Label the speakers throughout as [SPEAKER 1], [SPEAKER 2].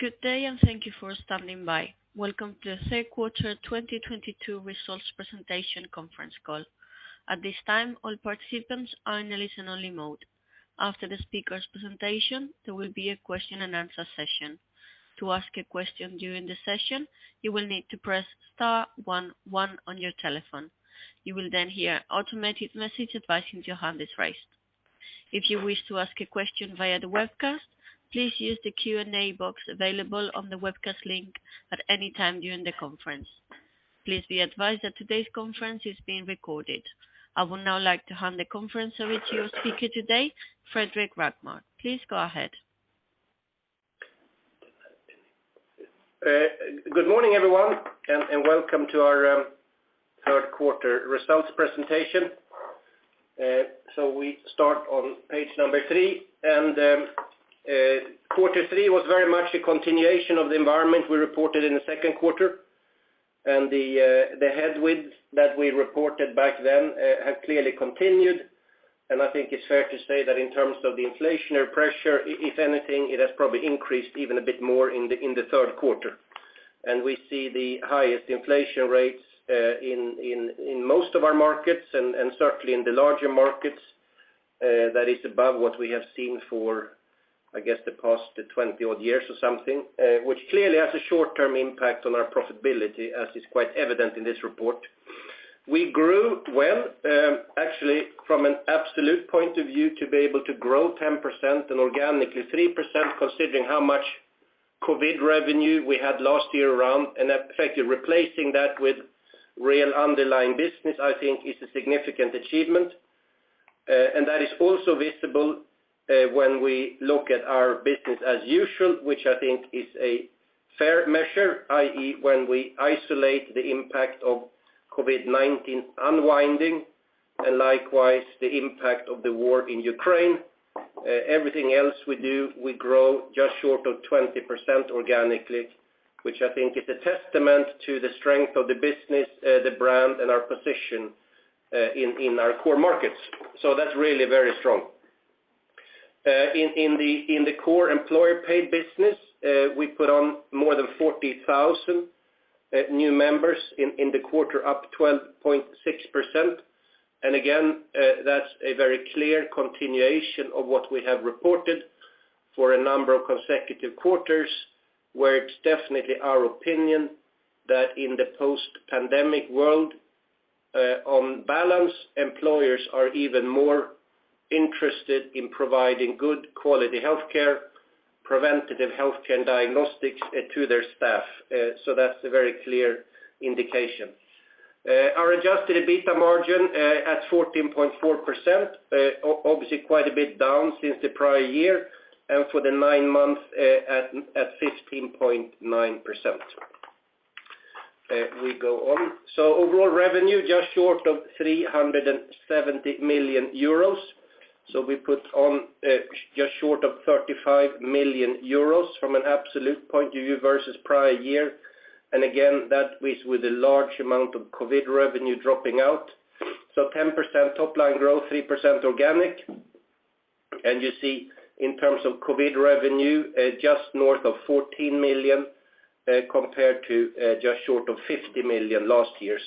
[SPEAKER 1] Good day, and thank you for standing by. Welcome to the third quarter 2022 results presentation conference call. At this time, all participants are in a listen-only mode. After the speaker's presentation, there will be a question-and-answer session. To ask a question during the session, you will need to press star one one on your telephone. You will then hear an automated message advising your hand is raised. If you wish to ask a question via the webcast, please use the Q&A box available on the webcast link at any time during the conference. Please be advised that today's conference is being recorded. I would now like to hand the conference over to your speaker today, Fredrik Rågmark. Please go ahead.
[SPEAKER 2] Good morning, everyone, and welcome to our third quarter results presentation. We start on page number three. Quarter three was very much a continuation of the environment we reported in the second quarter. The headwinds that we reported back then have clearly continued, and I think it's fair to say that in terms of the inflationary pressure, if anything, it has probably increased even a bit more in the third quarter. We see the highest inflation rates in most of our markets and certainly in the larger markets, that is above what we have seen for, I guess, the past 20-odd years or something, which clearly has a short-term impact on our profitability, as is quite evident in this report. We grew well, actually from an absolute point of view, to be able to grow 10% and organically 3% considering how much COVID revenue we had last year around, and effectively replacing that with real underlying business, I think is a significant achievement. That is also visible when we look at our business as usual, which I think is a fair measure, i.e., when we isolate the impact of COVID-19 unwinding, and likewise, the impact of the war in Ukraine. Everything else we do, we grow just short of 20% organically, which I think is a testament to the strength of the business, the brand, and our position in our core markets. That's really very strong. In the core employer paid business, we put on more than 40,000 new members in the quarter, up 12.6%. Again, that's a very clear continuation of what we have reported for a number of consecutive quarters, where it's definitely our opinion that in the post-pandemic world, on balance, employers are even more interested in providing good quality healthcare, preventative healthcare and diagnostics to their staff. That's a very clear indication. Our Adjusted EBITDA margin at 14.4%, obviously quite a bit down since the prior year, and for the nine months at 15.9%. We go on. Overall revenue, just short of 370 million euros. We put on just short of 35 million euros from an absolute point of view versus prior year. Again, that is with a large amount of COVID revenue dropping out. 10% top line growth, 3% organic. You see in terms of COVID revenue, just north of 14 million compared to just short of 50 million last year.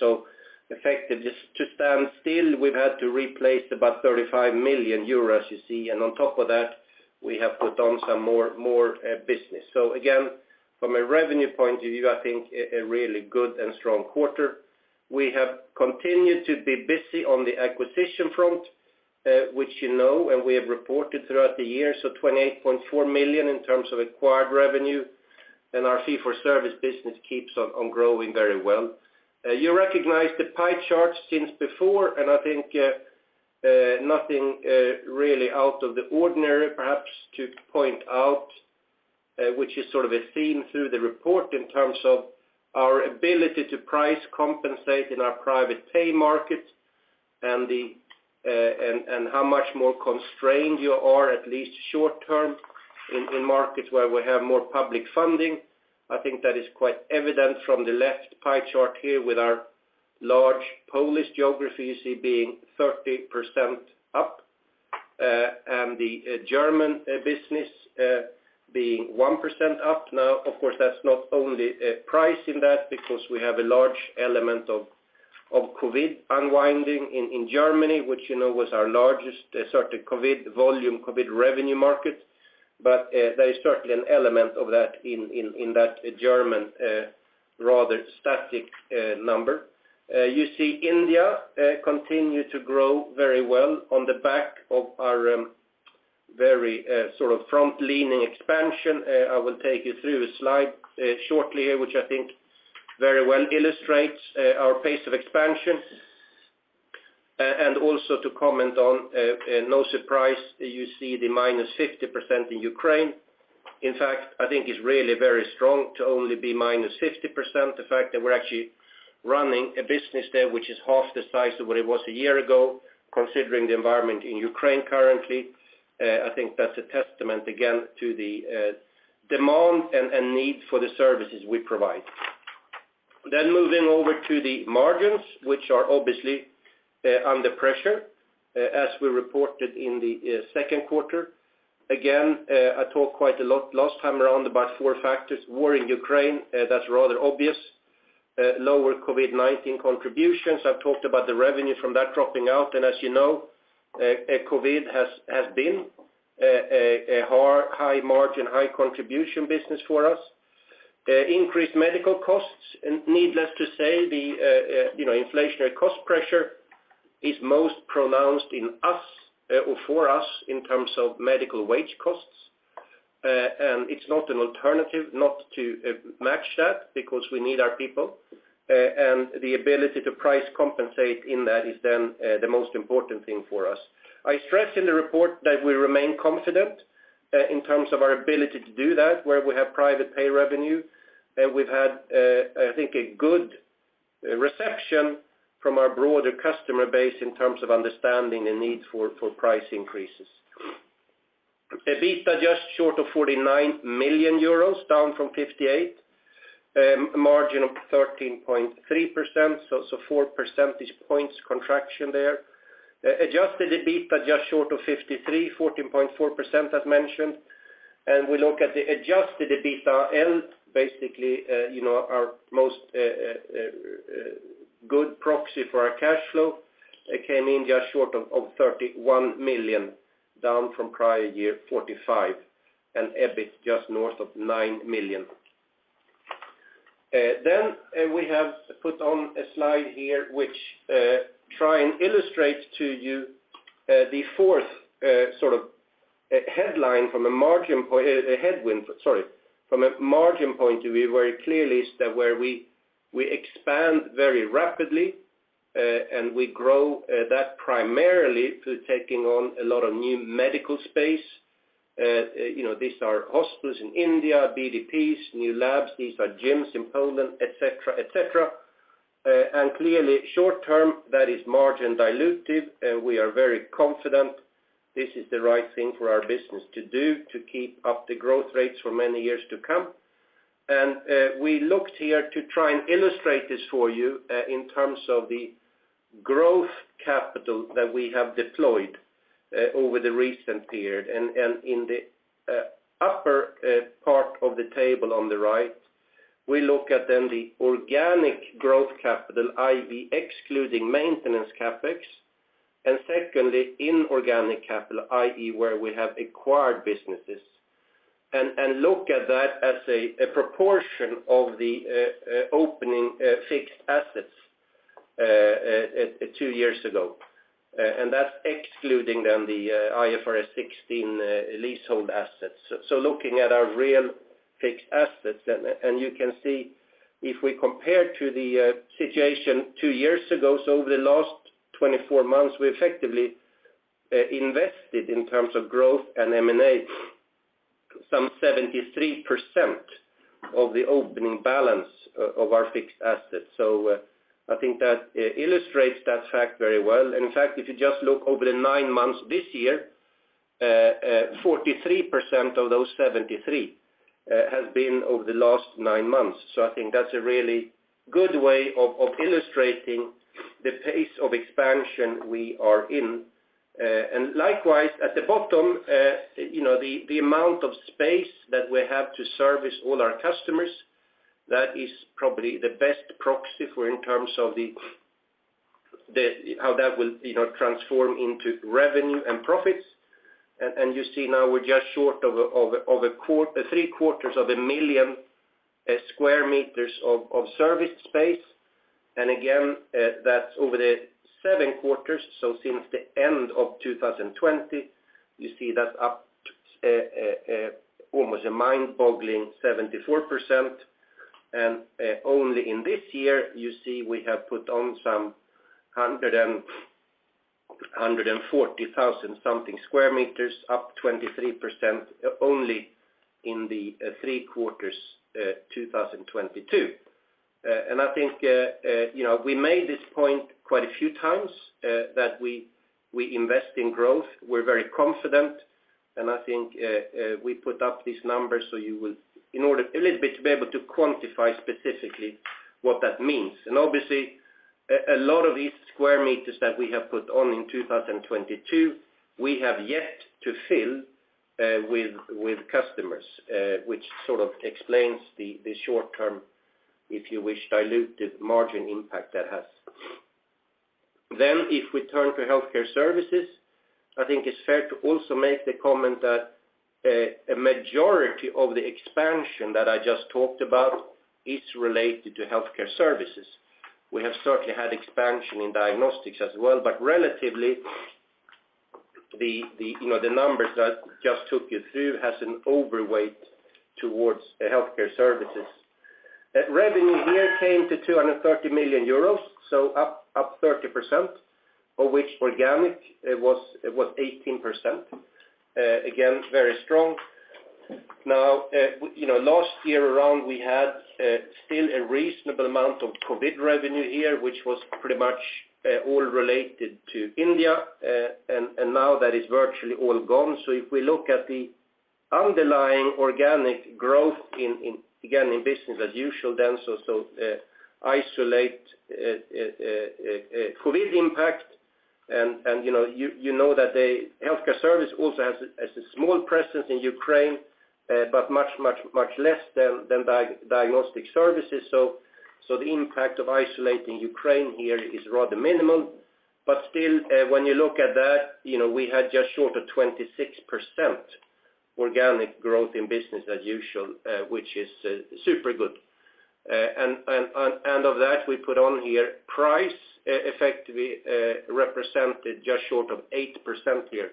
[SPEAKER 2] Effectively, to stand still, we've had to replace about 35 million euros, you see. On top of that, we have put on some more business. Again, from a revenue point of view, I think a really good and strong quarter. We have continued to be busy on the acquisition front, which you know, and we have reported throughout the year, so 28.4 million in terms of acquired revenue. Our fee-for-service business keeps on growing very well. You recognize the pie chart since before, and I think nothing really out of the ordinary, perhaps to point out which is sort of a theme through the report in terms of our ability to price compensate in our private pay markets and how much more constrained you are, at least short-term, in markets where we have more public funding. I think that is quite evident from the left pie chart here with our large Polish geography you see being 30% up, and the German business being 1% up. Now, of course, that's not only pricing in that because we have a large element of COVID unwinding in Germany, which you know was our largest sort of COVID volume, COVID revenue market. There is certainly an element of that in that German rather static number. You see India continue to grow very well on the back of our very sort of front-loading expansion. I will take you through a slide shortly here, which I think very well illustrates our pace of expansion. And also to comment on, no surprise, you see the -50% in Ukraine. In fact, I think it's really very strong to only be -50%. The fact that we're actually running a business there which is half the size of what it was a year ago, considering the environment in Ukraine currently, I think that's a testament again to the demand and need for the services we provide. Moving over to the margins, which are obviously under pressure, as we reported in the second quarter. Again, I talked quite a lot last time around about four factors, war in Ukraine, that's rather obvious. Lower COVID-19 contributions. I've talked about the revenue from that dropping out. As you know, COVID has been a high margin, high contribution business for us. Increased medical costs, and needless to say, you know, inflationary cost pressure is most pronounced in us, or for us in terms of medical wage costs. It's not an alternative not to match that because we need our people, and the ability to price compensate in that is then the most important thing for us. I stress in the report that we remain confident in terms of our ability to do that where we have private pay revenue. We've had, I think, a good reception from our broader customer base in terms of understanding the need for price increases. EBITDA just short of 49 million euros, down from 58 million. Margin of 13.3%, so four percentage points contraction there. Adjusted EBITDA just short of 53 million, 14.4% as mentioned. We look at the adjusted EBITDAaL basically, you know, our most good proxy for our cash flow. It came in just short of 31 million, down from prior year 45 million, and EBIT just north of 9 million. We have put on a slide here which try and illustrate to you the fourth sort of headline from a margin headwind, sorry, from a margin point of view, very clearly is that where we expand very rapidly and we grow that primarily through taking on a lot of new medical space. You know, these are hospitals in India, BDPs, new labs, these are gyms in Poland, et cetera, et cetera. And clearly short term, that is margin dilutive. We are very confident this is the right thing for our business to do to keep up the growth rates for many years to come. We looked here to try and illustrate this for you, in terms of the growth capital that we have deployed, over the recent period. In the upper part of the table on the right, we look at then the organic growth capital, i.e. excluding maintenance CapEx, and secondly, inorganic capital, i.e. where we have acquired businesses, and look at that as a proportion of the opening fixed assets two years ago. That's excluding then the IFRS 16 leasehold assets. Looking at our real fixed assets. You can see if we compare to the situation two years ago, over the last 24 months, we effectively invested in terms of growth and M&A some 73% of the opening balance of our fixed assets. I think that illustrates that fact very well. In fact, if you just look over the nine months this year, 43% of those 73 has been over the last nine months. I think that's a really good way of illustrating the pace of expansion we are in. Likewise, at the bottom, you know, the amount of space that we have to service all our customers, that is probably the best proxy for in terms of the how that will, you know, transform into revenue and profits. You see now we're just short of a three-quarters of a million square meters of service space. Again, that's over the seven quarters. Since the end of 2020, you see that's up almost a mind-boggling 74%. Only in this year, you see, we have put on some 140,000 square meters, up 23% only in the three quarters 2022. I think you know, we made this point quite a few times that we invest in growth. We're very confident, and I think we put up these numbers so you will in order a little bit to be able to quantify specifically what that means. Obviously, a lot of these square meters that we have put on in 2022, we have yet to fill with customers, which sort of explains the short term, if you wish, diluted margin impact that has. If we turn to healthcare services, I think it's fair to also make the comment that a majority of the expansion that I just talked about is related to healthcare services. We have certainly had expansion in diagnostics as well, but relatively you know the numbers I just took you through has an overweight towards healthcare services. Revenue here came to 230 million euros, so up 30%, of which organic was 18%. Again, very strong. Now you know last year around we had still a reasonable amount of COVID revenue here, which was pretty much all related to India. And now that is virtually all gone. If we look at the underlying organic growth in again in business as usual then so isolate COVID impact. You know that the Healthcare Services also has a small presence in Ukraine, but much less than Diagnostic Services. The impact of isolating Ukraine here is rather minimal. When you look at that, you know, we had just short of 26% organic growth in business as usual, which is super good. Of that, the price effect effectively represented just short of 8% here.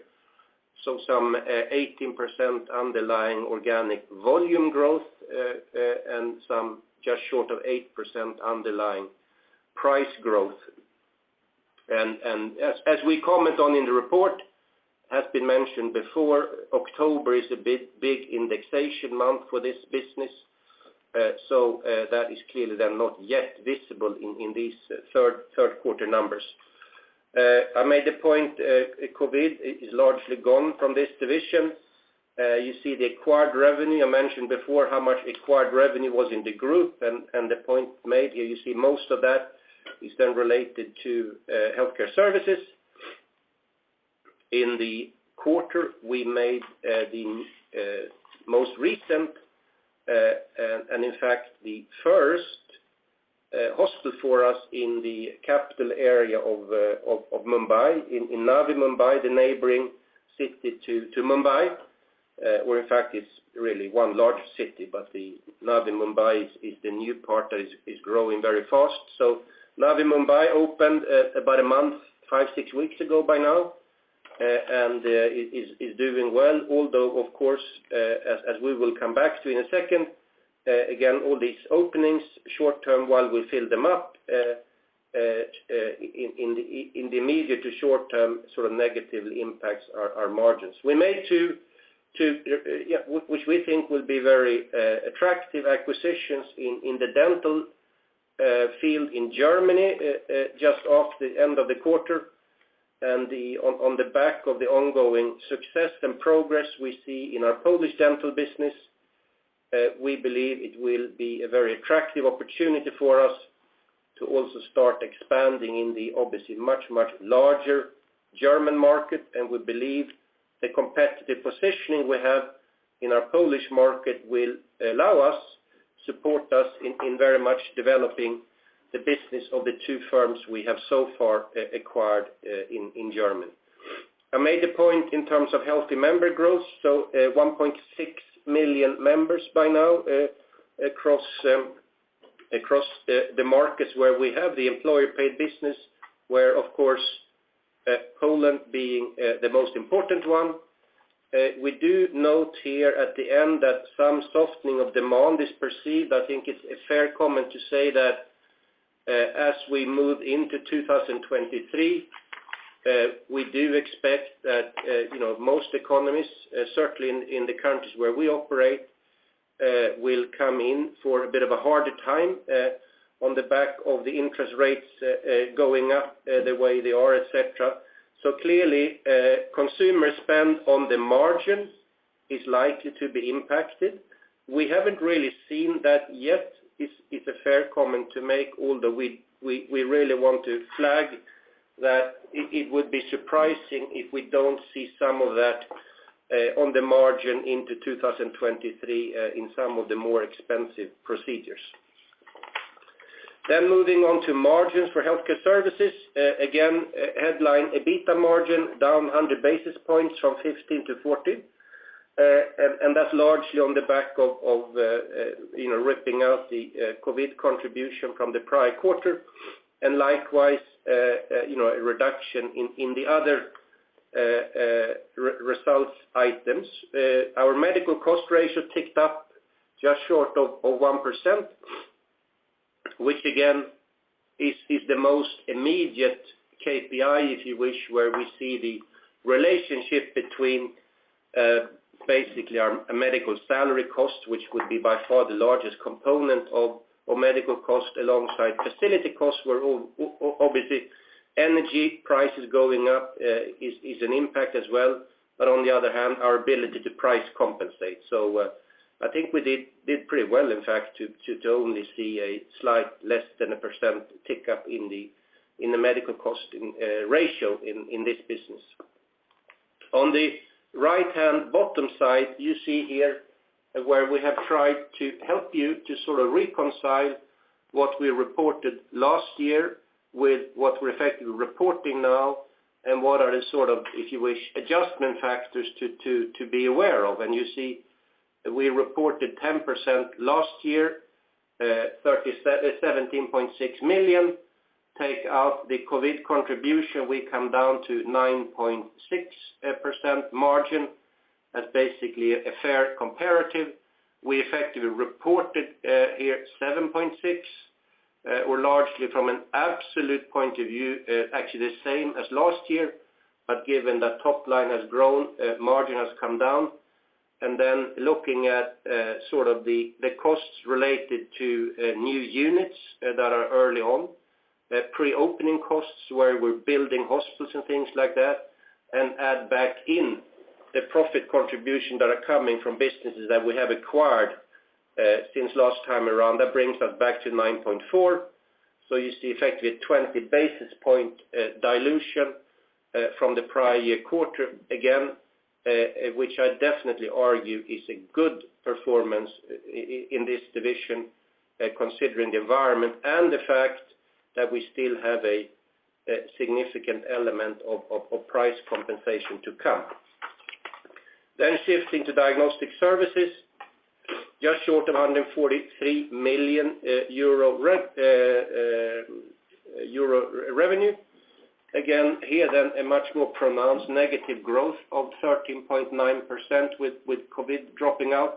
[SPEAKER 2] Some 18% underlying organic volume growth, and some just short of 8% underlying price growth. As we comment on in the report, has been mentioned before, October is a bit big indexation month for this business. That is clearly then not yet visible in these third quarter numbers. I made a point. COVID is largely gone from this division. You see the acquired revenue. I mentioned before how much acquired revenue was in the group, and the point made here, you see most of that is then related to Healthcare Services. In the quarter, we made the most recent, and in fact, the first, hospital for us in the capital area of Mumbai, in Navi Mumbai, the neighboring city to Mumbai, where in fact it is really one large city, but Navi Mumbai is growing very fast. Navi Mumbai opened about a month, five, six weeks ago by now, and is doing well. Although, of course, as we will come back to in a second, again, all these openings short term, while we fill them up, in the immediate to short term sort of negatively impacts our margins. We made two, which we think will be very attractive acquisitions in the dental field in Germany just off the end of the quarter. On the back of the ongoing success and progress we see in our Polish dental business, we believe it will be a very attractive opportunity for us to also start expanding in the obviously much larger German market. We believe the competitive positioning we have in our Polish market will allow us, support us in very much developing the business of the two firms we have so far acquired in Germany. I made a point in terms of healthy member growth, 1.6 million members by now across the markets where we have the employer-paid business, where of course Poland being the most important one. We do note here at the end that some softening of demand is perceived. I think it's a fair comment to say that, as we move into 2023, we do expect that, you know, most economies, certainly in the countries where we operate, will come in for a bit of a harder time, on the back of the interest rates going up the way they are, et cetera. Clearly, consumer spend on the margins is likely to be impacted. We haven't really seen that yet. It's a fair comment to make, although we really want to flag that it would be surprising if we don't see some of that, on the margin into 2023, in some of the more expensive procedures. Moving on to margins for Healthcare Services. Again, headline EBITDA margin down 100 basis points from 15% to 14%. That's largely on the back of, you know, ripping out the COVID contribution from the prior quarter. Likewise, you know, a reduction in the other results items. Our medical cost ratio ticked up just short of 1%, which again is the most immediate KPI, if you wish, where we see the relationship between basically our medical salary cost, which would be by far the largest component of medical cost alongside facility costs, where obviously energy prices going up is an impact as well. On the other hand, our ability to price compensate. I think we did pretty well in fact to only see a slightly less than 1% tick up in the Medical Cost Ratio in this business. On the right-hand bottom side, you see here where we have tried to help you to sort of reconcile what we reported last year with what we're effectively reporting now and what are the sort of, if you wish, adjustment factors to be aware of. You see we reported 10% last year, 17.6 million. Take out the COVID contribution, we come down to 9.6% margin. That's basically a fair comparative. We effectively reported here 7.6%, or largely from an absolute point of view, actually the same as last year, but given that top line has grown, margin has come down. Looking at sort of the costs related to new units that are early on. The pre-opening costs where we're building hospitals and things like that, and add back in the profit contribution that are coming from businesses that we have acquired since last time around, that brings us back to 9.4%. You see effectively 20 basis points dilution from the prior year quarter, again, which I definitely argue is a good performance in this division, considering the environment and the fact that we still have a significant element of price compensation to come. Shifting to Diagnostic Services, just short of 143 million euro revenue. Again, here then a much more pronounced negative growth of 13.9% with COVID dropping out.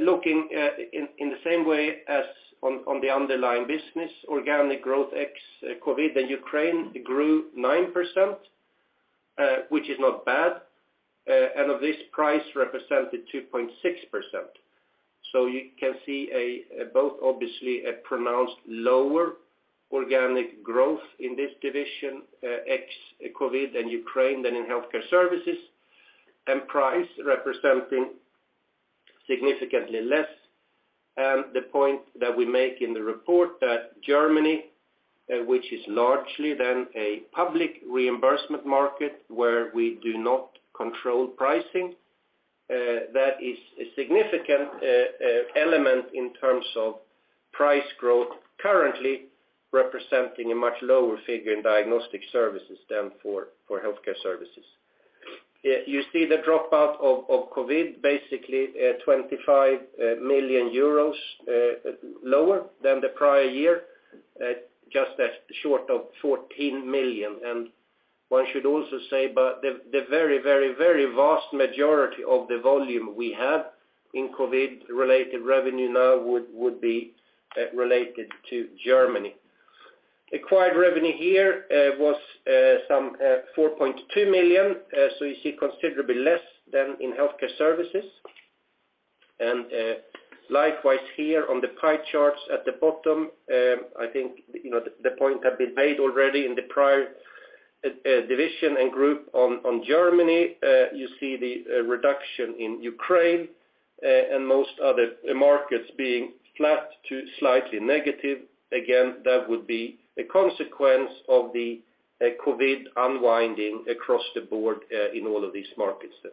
[SPEAKER 2] Looking in the same way as on the underlying business, organic growth ex COVID and Ukraine grew 9%, which is not bad, and of this price represented 2.6%. So you can see both obviously a pronounced lower organic growth in this division ex COVID and Ukraine than in Healthcare Services, and price representing significantly less. The point that we make in the report that Germany, which is largely then a public reimbursement market where we do not control pricing, that is a significant element in terms of price growth currently representing a much lower figure in Diagnostic Services than for Healthcare Services. You see the dropout of COVID basically 25 million euros lower than the prior year, just short of 14 million. One should also say, but the very vast majority of the volume we have in COVID-related revenue now would be related to Germany. Acquired revenue here was some 4.2 million, so you see considerably less than in Healthcare Services. Likewise here on the pie charts at the bottom, I think, you know, the point had been made already in the prior division and group on Germany. You see the reduction in Ukraine, and most other markets being flat to slightly negative. Again, that would be a consequence of the COVID unwinding across the board, in all of these markets then.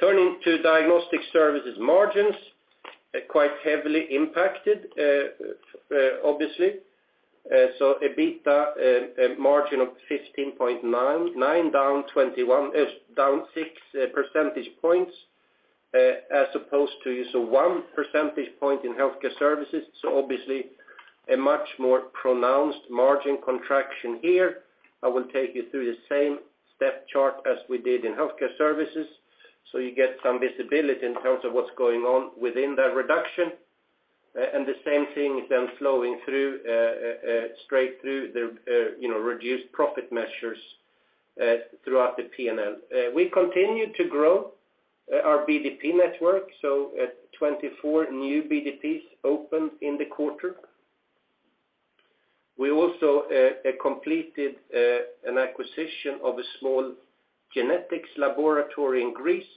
[SPEAKER 2] Turning to Diagnostic Services margins, quite heavily impacted, obviously. EBITDA margin of 15.99%, down 6 percentage points, as opposed to just a 1 percentage point in Healthcare Services. Obviously a much more pronounced margin contraction here. I will take you through the same step chart as we did in Healthcare Services, so you get some visibility in terms of what's going on within that reduction. The same thing is then flowing through, straight through the, you know, reduced profit measures, throughout the P&L. We continue to grow our BDP network, so 24 new BDPs opened in the quarter. We also completed an acquisition of a small genetics laboratory in Greece,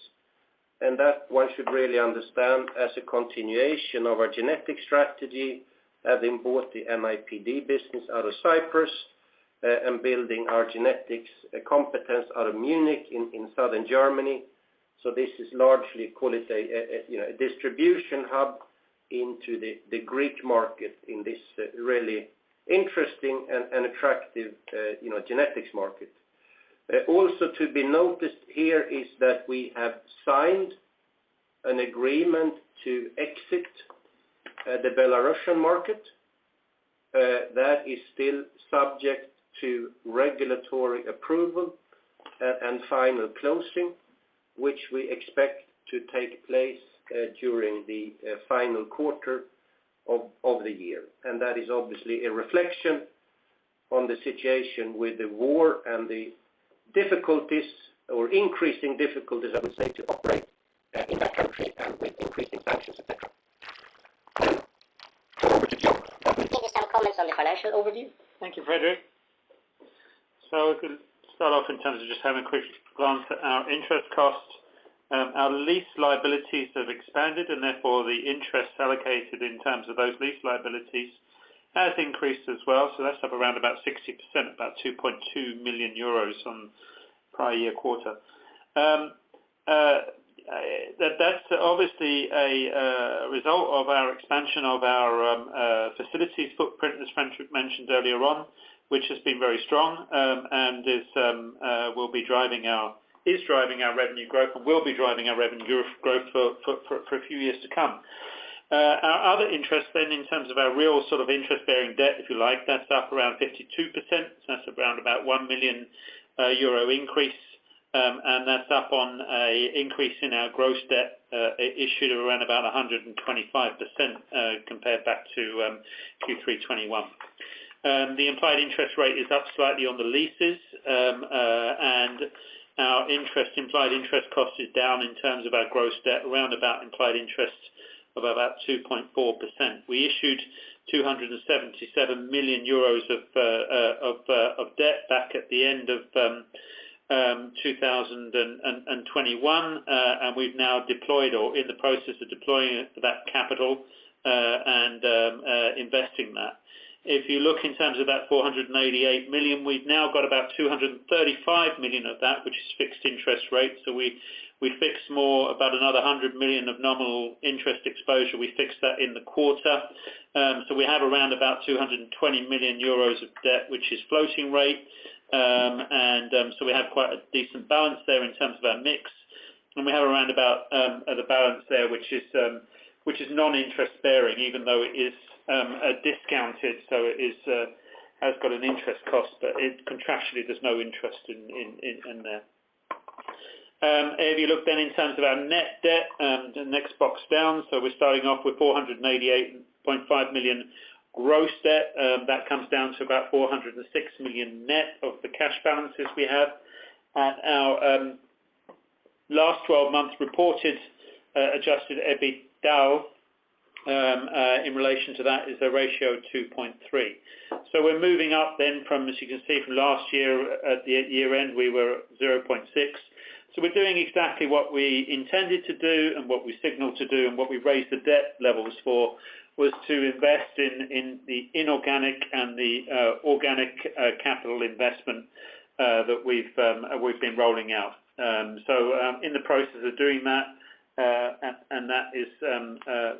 [SPEAKER 2] and that one should really understand as a continuation of our genetic strategy, having bought the NIPD business out of Cyprus, and building our genetics competence out of Munich in Southern Germany. This is largely, call it a, you know, a distribution hub into the Greek market in this really interesting and attractive, you know, genetics market. Also to be noticed here is that we have signed an agreement to exit the Belarusian market. That is still subject to regulatory approval and final closing, which we expect to take place during the final quarter of the year. That is obviously a reflection on the situation with the war and the difficulties or increasing difficulties, I would say, to operate in that country and with increasing sanctions, et cetera. Over to Joe. Give you some comments on the financial overview.
[SPEAKER 3] Thank you, Fredrik. If we start off in terms of just having a quick glance at our interest costs, our lease liabilities have expanded and therefore the interest allocated in terms of those lease liabilities has increased as well. That's up around about 60%, about 2.2 million euros on prior year quarter. That's obviously a result of our expansion of our facilities footprint, as Fredrik mentioned earlier on, which has been very strong, and is driving our revenue growth and will be driving our revenue growth for a few years to come. Our other interest then in terms of our real sort of interest bearing debt, if you like, that's up around 52%. That's around about 1 million euro increase. That's up on an increase in our gross debt, issued around about 125%, compared back to Q3 2021. The implied interest rate is up slightly on the leases, and our implied interest cost is down in terms of our gross debt, around about implied interest of about 2.4%. We issued 277 million euros of debt back at the end of 2021. We've now deployed or in the process of deploying it for that capital, and investing that. If you look in terms of that 488 million, we've now got about 235 million of that which is fixed interest rate. We fixed more about another 100 million of normal interest exposure. We fixed that in the quarter. We have around about 220 million euros of debt, which is floating rate. We have quite a decent balance there in terms of our mix. We have around about the balance there, which is non-interest bearing, even though it is discounted, so it has got an interest cost. It contractually there's no interest in there. If you look then in terms of our net debt, the next box down, we're starting off with 488.5 million gross debt. That comes down to about 406 million net of the cash balances we have. Our last twelve months reported adjusted EBITDA in relation to that is a ratio of 2.3. We're moving up then from, as you can see, from last year at the year-end, we were at 0.6. We're doing exactly what we intended to do and what we signaled to do, and what we raised the debt levels for, was to invest in the inorganic and the organic capital investment that we've been rolling out. In the process of doing that, and that is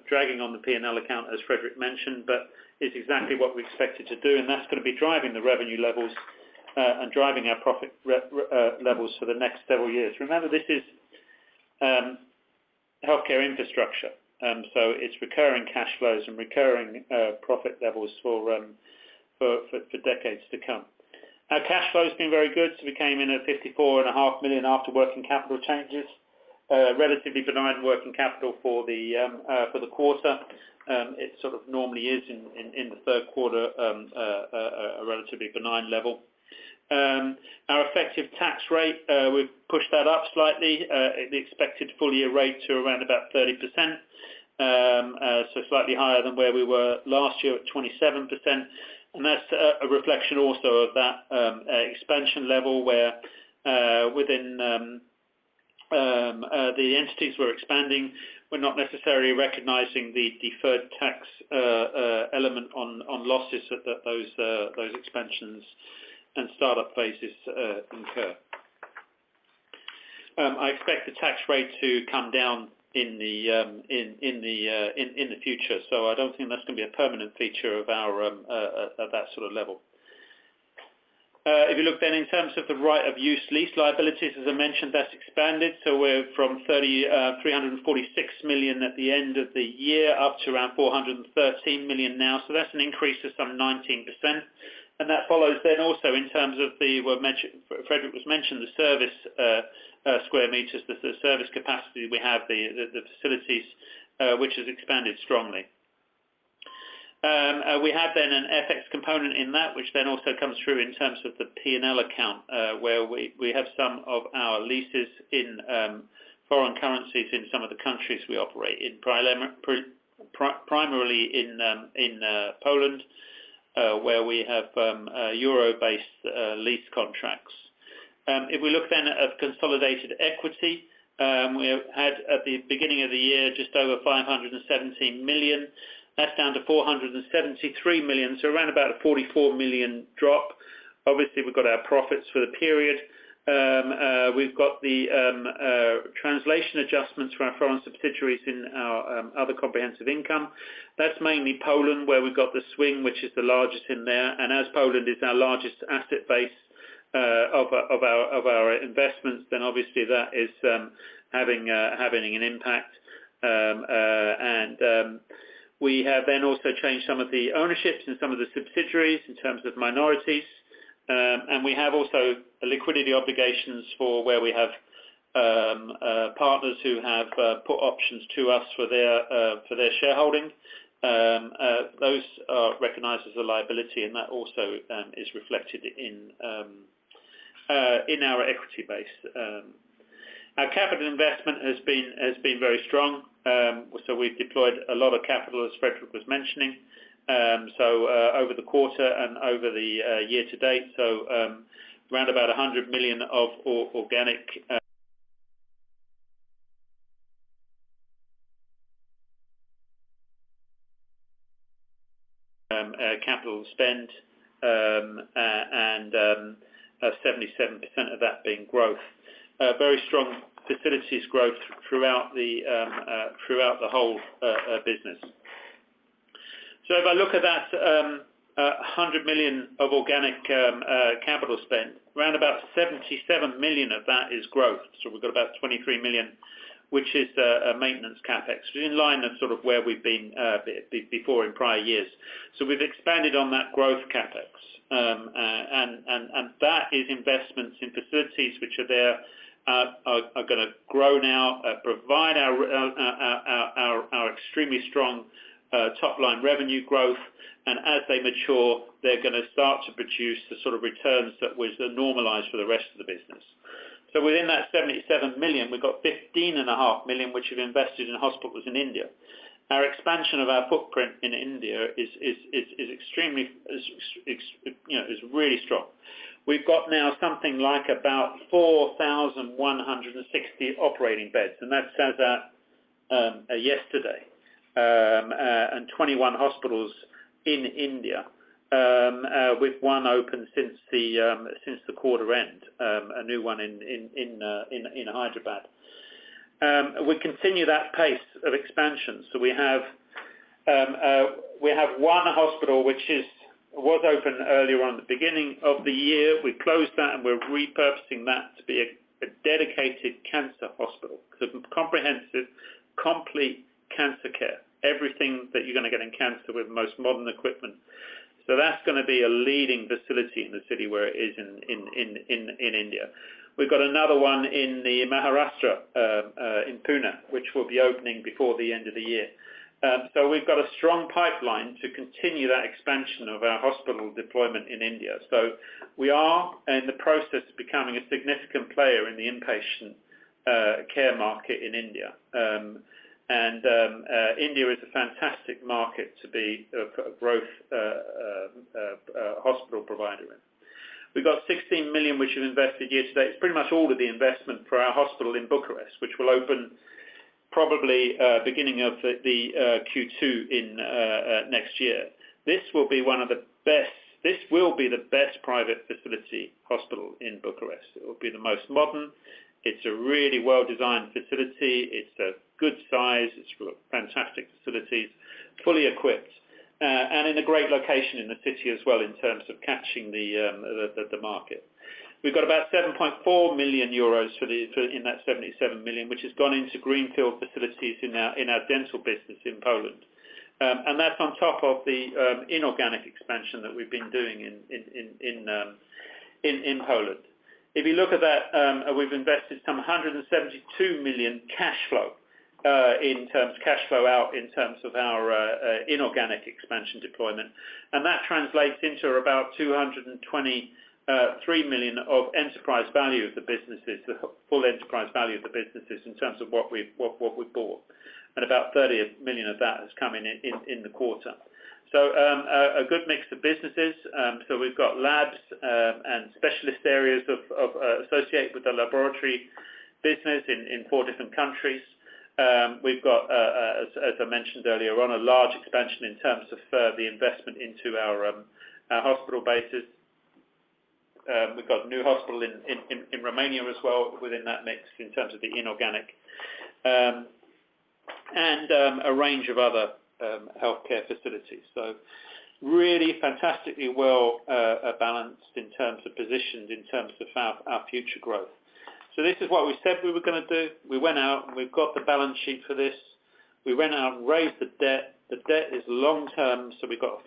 [SPEAKER 3] dragging on the P&L account, as Fredrik mentioned, but it's exactly what we expected to do, and that's gonna be driving the revenue levels and driving our profit levels for the next several years. Remember, this is healthcare infrastructure, so it's recurring cash flows and recurring profit levels for decades to come. Our cash flow has been very good. We came in at 54 and a half million after working capital changes. Relatively benign working capital for the quarter. It sort of normally is in the third quarter a relatively benign level. Our effective tax rate, we've pushed that up slightly at the expected full-year rate to around about 30%. Slightly higher than where we were last year at 27%. That's a reflection also of that expansion level where within the entities we're expanding, we're not necessarily recognizing the deferred tax element on losses that those expansions and startup phases incur. I expect the tax rate to come down in the future. I don't think that's gonna be a permanent feature of our that sort of level. If you look then in terms of the right-of-use lease liabilities, as I mentioned, that's expanded. We're from 346 million at the end of the year, up to around 413 million now. That's an increase of some 19%. That follows then also in terms of the, well, Fredrik has mentioned the service square meters, the service capacity we have, the facilities which has expanded strongly. We have then an FX component in that, which then also comes through in terms of the P&L account, where we have some of our leases in foreign currencies in some of the countries we operate in. Primarily in Poland, where we have euro-based lease contracts. If we look then at consolidated equity, we had at the beginning of the year just over 517 million. That's down to 473 million, so around about a 44 million drop. Obviously, we've got our profits for the period. We've got the translation adjustments for our foreign subsidiaries in our other comprehensive income. That's mainly Poland, where we've got the swing, which is the largest in there. As Poland is our largest asset base of our investments, then obviously that is having an impact. We have then also changed some of the ownerships in some of the subsidiaries in terms of minorities. We have also liquidity obligations for where we have partners who have put options to us for their shareholding. Those are recognized as a liability, and that also is reflected in our equity base. Our capital investment has been very strong. We've deployed a lot of capital, as Fredrik was mentioning. Over the quarter and over the year to date, around 100 million of our organic capital spend, and 77% of that being growth. Very strong facilities growth throughout the whole business. If I look at that 100 million of organic capital spend, around 77 million of that is growth. We've got about 23 million, which is a maintenance CapEx, in line with sort of where we've been before in prior years. We've expanded on that growth CapEx. That is investments in facilities which are there are gonna grow now provide our extremely strong top line revenue growth, and as they mature, they're gonna start to produce the sort of returns that normalize for the rest of the business. Within that 77 million, we've got 15.5 million which we've invested in hospitals in India. Our expansion of our footprint in India is extremely you know is really strong. We've got now something like about 4,160 operating beds, and that's as at yesterday. 21 hospitals in India with one open since the quarter end, a new one in Hyderabad. We continue that pace of expansion. We have one hospital which was open earlier at the beginning of the year. We closed that, and we're repurposing that to be a dedicated cancer hospital. Comprehensive, complete cancer care, everything that you're gonna get in cancer with the most modern equipment. That's gonna be a leading facility in the city where it is in India. We've got another one in Maharashtra, in Pune, which will be opening before the end of the year. We've got a strong pipeline to continue that expansion of our hospital deployment in India. We are in the process of becoming a significant player in the inpatient care market in India. India is a fantastic market to be a growth hospital provider in. We've got 16 million, which we've invested year-to-date. It's pretty much all of the investment for our hospital in Bucharest, which will open probably beginning of the Q2 in next year. This will be the best private facility hospital in Bucharest. It will be the most modern. It's a really well-designed facility. It's a good size. It's got fantastic facilities, fully equipped, and in a great location in the city as well in terms of catching the market. We've got about 7.4 million euros for the in that 77 million, which has gone into greenfield facilities in our dental business in Poland. That's on top of the inorganic expansion that we've been doing in Poland. If you look at that, we've invested 172 million cash flow in terms of cash flow out, in terms of our inorganic expansion deployment. That translates into about 223 million of enterprise value of the businesses, the full enterprise value of the businesses in terms of what we've bought. About 30 million of that has come in the quarter. A good mix of businesses. We've got labs and specialist areas of associated with the laboratory business in four different countries. We've got, as I mentioned earlier on, a large expansion in terms of further investment into our hospital bases. We've got a new hospital in Romania as well within that mix in terms of the inorganic. A range of other healthcare facilities. Really fantastically well balanced in terms of positions, in terms of our future growth. This is what we said we were gonna do. We went out, and we've got the balance sheet for this. We went out and raised the debt. The debt is long term, so we've got a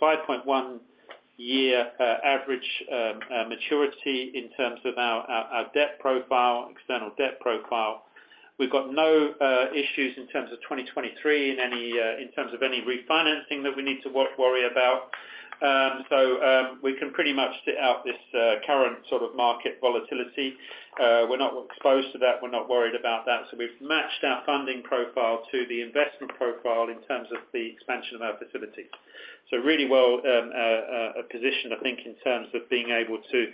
[SPEAKER 3] 5.1-year average maturity in terms of our debt profile, external debt profile. We've got no issues in terms of 2023 in terms of any refinancing that we need to worry about. We can pretty much sit out this current sort of market volatility. We're not exposed to that. We're not worried about that. We've matched our funding profile to the investment profile in terms of the expansion of our facilities. Really well positioned, I think, in terms of being able to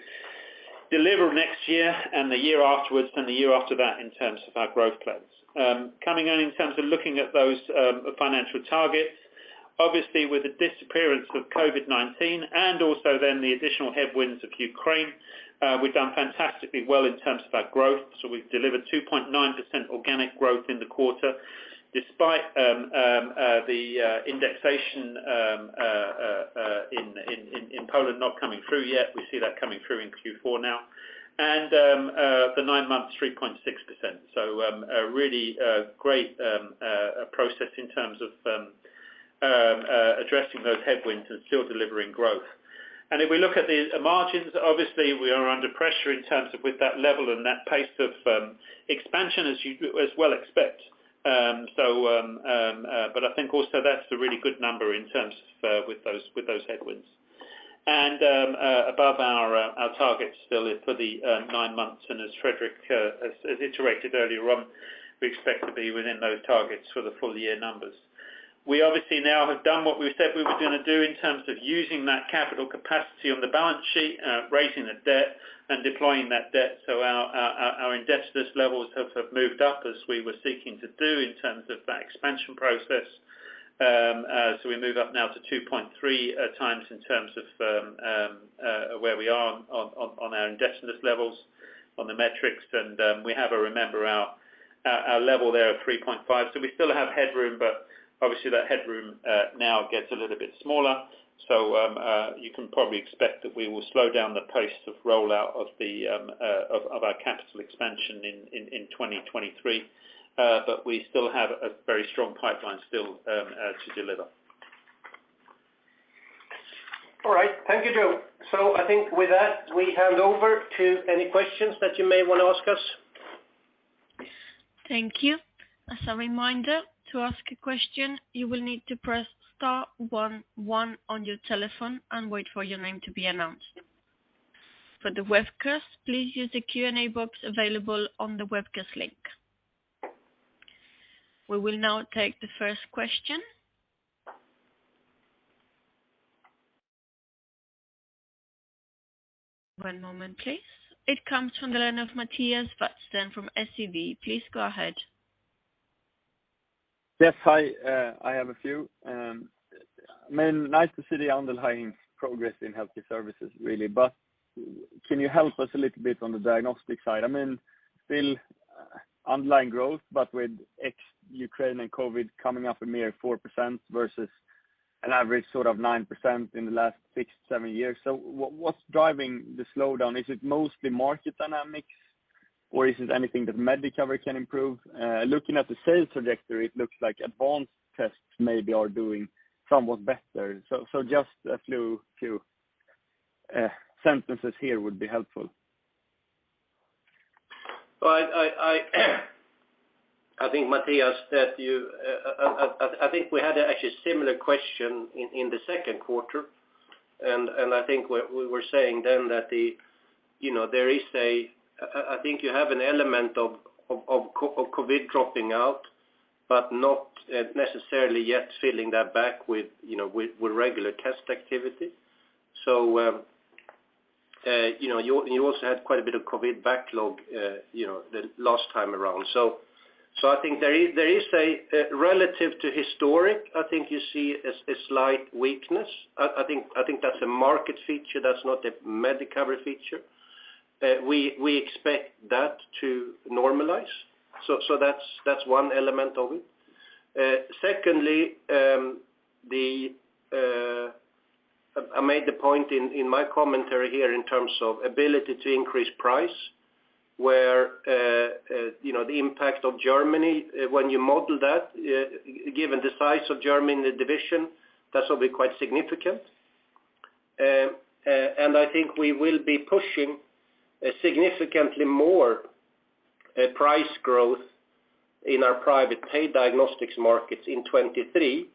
[SPEAKER 3] deliver next year and the year afterwards and the year after that in terms of our growth plans. Coming on in terms of looking at those financial targets, obviously, with the disappearance of COVID-19 and also then the additional headwinds of Ukraine, we've done fantastically well in terms of our growth. We've delivered 2.9% organic growth in the quarter despite the indexation in Poland not coming through yet. We see that coming through in Q4 now. The nine months, 3.6%. A really great progress in terms of addressing those headwinds and still delivering growth. If we look at the margins, obviously we are under pressure in terms of with that level and that pace of expansion as you well expect. But I think also that's a really good number in terms of with those headwinds. Above our targets still for the nine months. As Fredrik iterated earlier on, we expect to be within those targets for the full year numbers. We obviously now have done what we said we were gonna do in terms of using that capital capacity on the balance sheet, raising the debt and deploying that debt. Our indebtedness levels have moved up as we were seeking to do in terms of that expansion process. We move up now to 2.3 times in terms of where we are on our indebtedness levels, on the metrics. We have, remember, our level there of 3.5. We still have headroom, but obviously that headroom now gets a little bit smaller. You can probably expect that we will slow down the pace of rollout of our capital expansion in 2023. But we still have a very strong pipeline still to deliver.
[SPEAKER 2] All right. Thank you, Joe. I think with that, we hand over to any questions that you may want to ask us.
[SPEAKER 1] Thank you. As a reminder, to ask a question, you will need to press star one one on your telephone and wait for your name to be announced. For the webcast, please use the Q&A box available on the webcast link. We will now take the first question. One moment, please. It comes from the line of Mattias Vadsten from SEB. Please go ahead.
[SPEAKER 4] Yes. Hi. I have a few. I mean, nice to see the underlying progress in healthcare services, really. Can you help us a little bit on the diagnostic side? I mean, still underlying growth, but with ex Ukraine and COVID coming up a mere 4% versus an average sort of 9% in the last six, seven years. What's driving the slowdown? Is it mostly market dynamics, or is it anything that Medicover can improve? Looking at the sales trajectory, it looks like advanced tests maybe are doing somewhat better. Just a few sentences here would be helpful.
[SPEAKER 2] Well, I think Mattias that you, I think we had actually a similar question in the second quarter. I think we were saying then that, you know, there is, I think you have an element of COVID dropping out, but not necessarily yet filling that back with, you know, with regular test activity. You know, you also had quite a bit of COVID backlog, you know, the last time around. I think there is a relative to historic, I think you see a slight weakness. I think that's a market feature. That's not a Medicover feature. We expect that to normalize. That's one element of it. Secondly, I made the point in my commentary here in terms of ability to increase price where you know the impact of Germany, when you model that, given the size of Germany division, that will be quite significant. I think we will be pushing significantly more price growth in our private paid diagnostics markets in 2023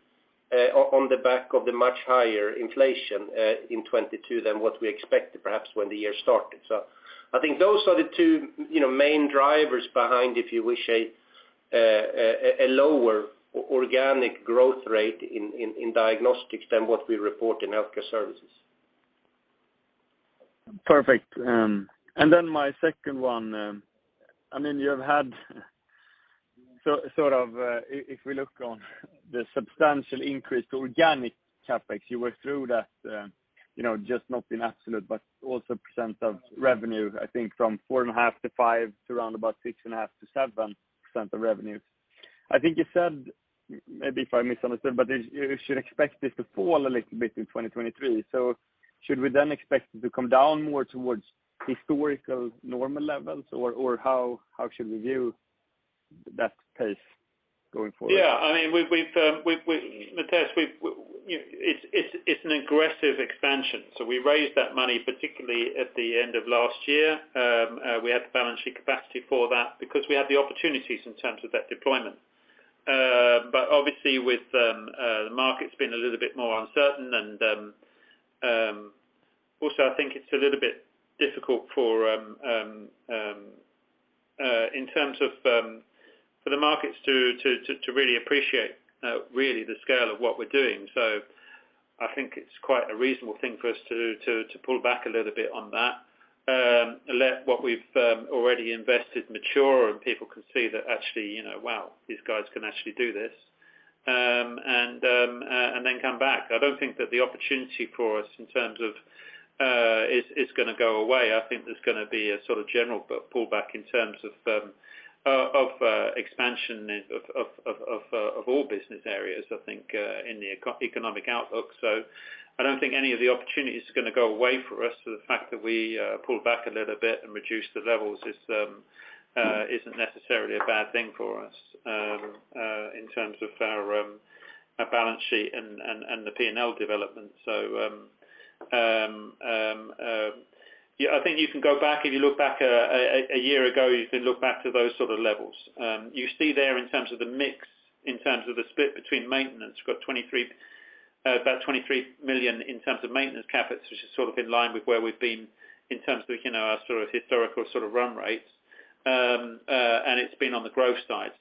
[SPEAKER 2] on the back of the much higher inflation in 2022 than what we expected, perhaps when the year started. I think those are the two you know main drivers behind, if you wish, a lower organic growth rate in diagnostics than what we report in healthcare services.
[SPEAKER 4] Perfect. And then my second one, I mean, you have had sort of if we look at the substantial increase in organic CapEx, you went through that, you know, not only in absolute, but also percent of revenue, I think from 4.5-5 to around 6.5-7% of revenues. I think you said, maybe if I misunderstood, but you should expect this to fall a little bit in 2023. Should we then expect it to come down more towards historical normal levels? Or how should we view that pace going forward?
[SPEAKER 3] Yeah. I mean, we've Mattias, you know, it's an aggressive expansion. We raised that money, particularly at the end of last year. We had the balance sheet capacity for that because we had the opportunities in terms of that deployment. Obviously, the market's been a little bit more uncertain. Also, I think it's a little bit difficult for the markets to really appreciate really the scale of what we're doing. I think it's quite a reasonable thing for us to pull back a little bit on that. Let what we've already invested mature, and people can see that actually, you know, wow, these guys can actually do this. Come back. I don't think that the opportunity for us in terms of is gonna go away. I think there's gonna be a sort of general pull back in terms of expansion of all business areas, I think, in the macro-economic outlook. I don't think any of the opportunities are gonna go away for us. The fact that we pull back a little bit and reduce the levels isn't necessarily a bad thing for us in terms of our balance sheet and the P&L development. Yeah, I think you can go back. If you look back a year ago, you can look back to those sort of levels. You see there in terms of the mix, in terms of the split between maintenance. We've got about 23 million in terms of maintenance CapEx, which is sort of in line with where we've been in terms of, you know, our sort of historical sort of run rates. It's been on the growth side.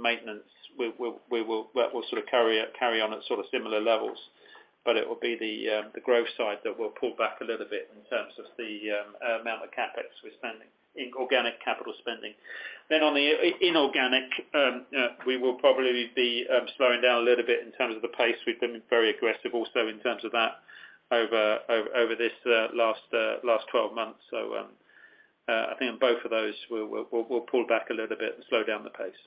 [SPEAKER 3] Maintenance, we will sort of carry on at sort of similar levels, but it will be the growth side that will pull back a little bit in terms of the amount of CapEx we're spending in organic capital spending. On the inorganic, we will probably be slowing down a little bit in terms of the pace. We've been very aggressive also in terms of that over this last twelve months. I think on both of those, we'll pull back a little bit and slow down the pace.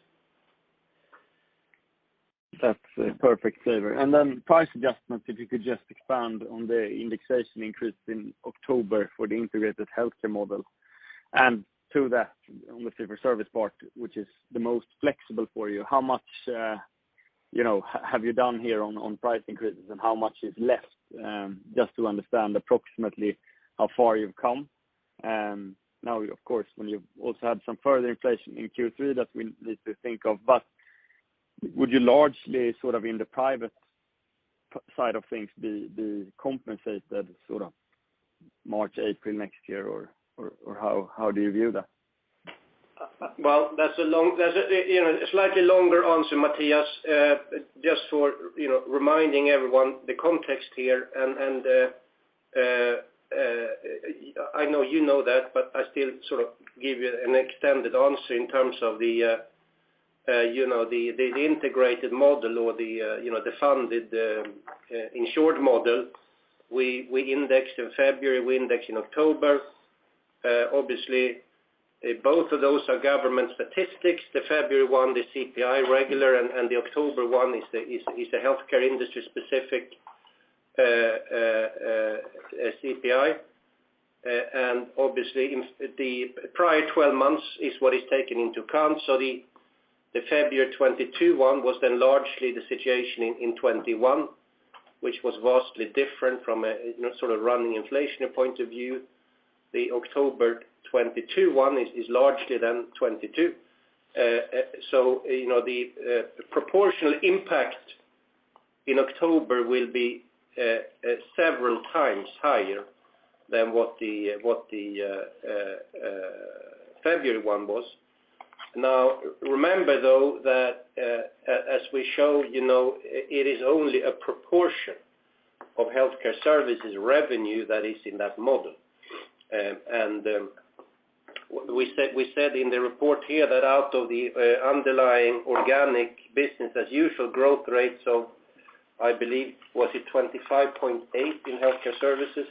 [SPEAKER 4] That's a perfect favor. Then price adjustment, if you could just expand on the indexation increase in October for the integrated healthcare model. To that, on the fee-for-service part, which is the most flexible for you, how much, you know, have you done here on price increases, and how much is left? Just to understand approximately how far you've come. Now, of course, when you've also had some further inflation in Q3 that we need to think of, but would you largely sort of in the private side of things be compensated sort of March, April next year, or how do you view that?
[SPEAKER 2] Well, that's a long, you know, a slightly longer answer, Mattias. Just for, you know, reminding everyone the context here and I know you know that, but I still sort of give you an extended answer in terms of you know, the integrated model or you know, the funded insured model. We indexed in February, we indexed in October. Obviously, both of those are government statistics. The February one, the CPI regular, and the October one is the healthcare industry specific CPI. And obviously in the prior 12 months is what is taken into account. The February 2022 one was then largely the situation in 2021, which was vastly different from a you know, sort of running inflation point of view. The October 2021 is largely the 2022. You know, the proportional impact in October will be several times higher than what the February 2021 was. Now, remember though that as we show, you know, it is only a proportion of Healthcare Services revenue that is in that model. We said in the report here that out of the underlying organic business as usual growth rates of, I believe, was it 25.8% in Healthcare Services?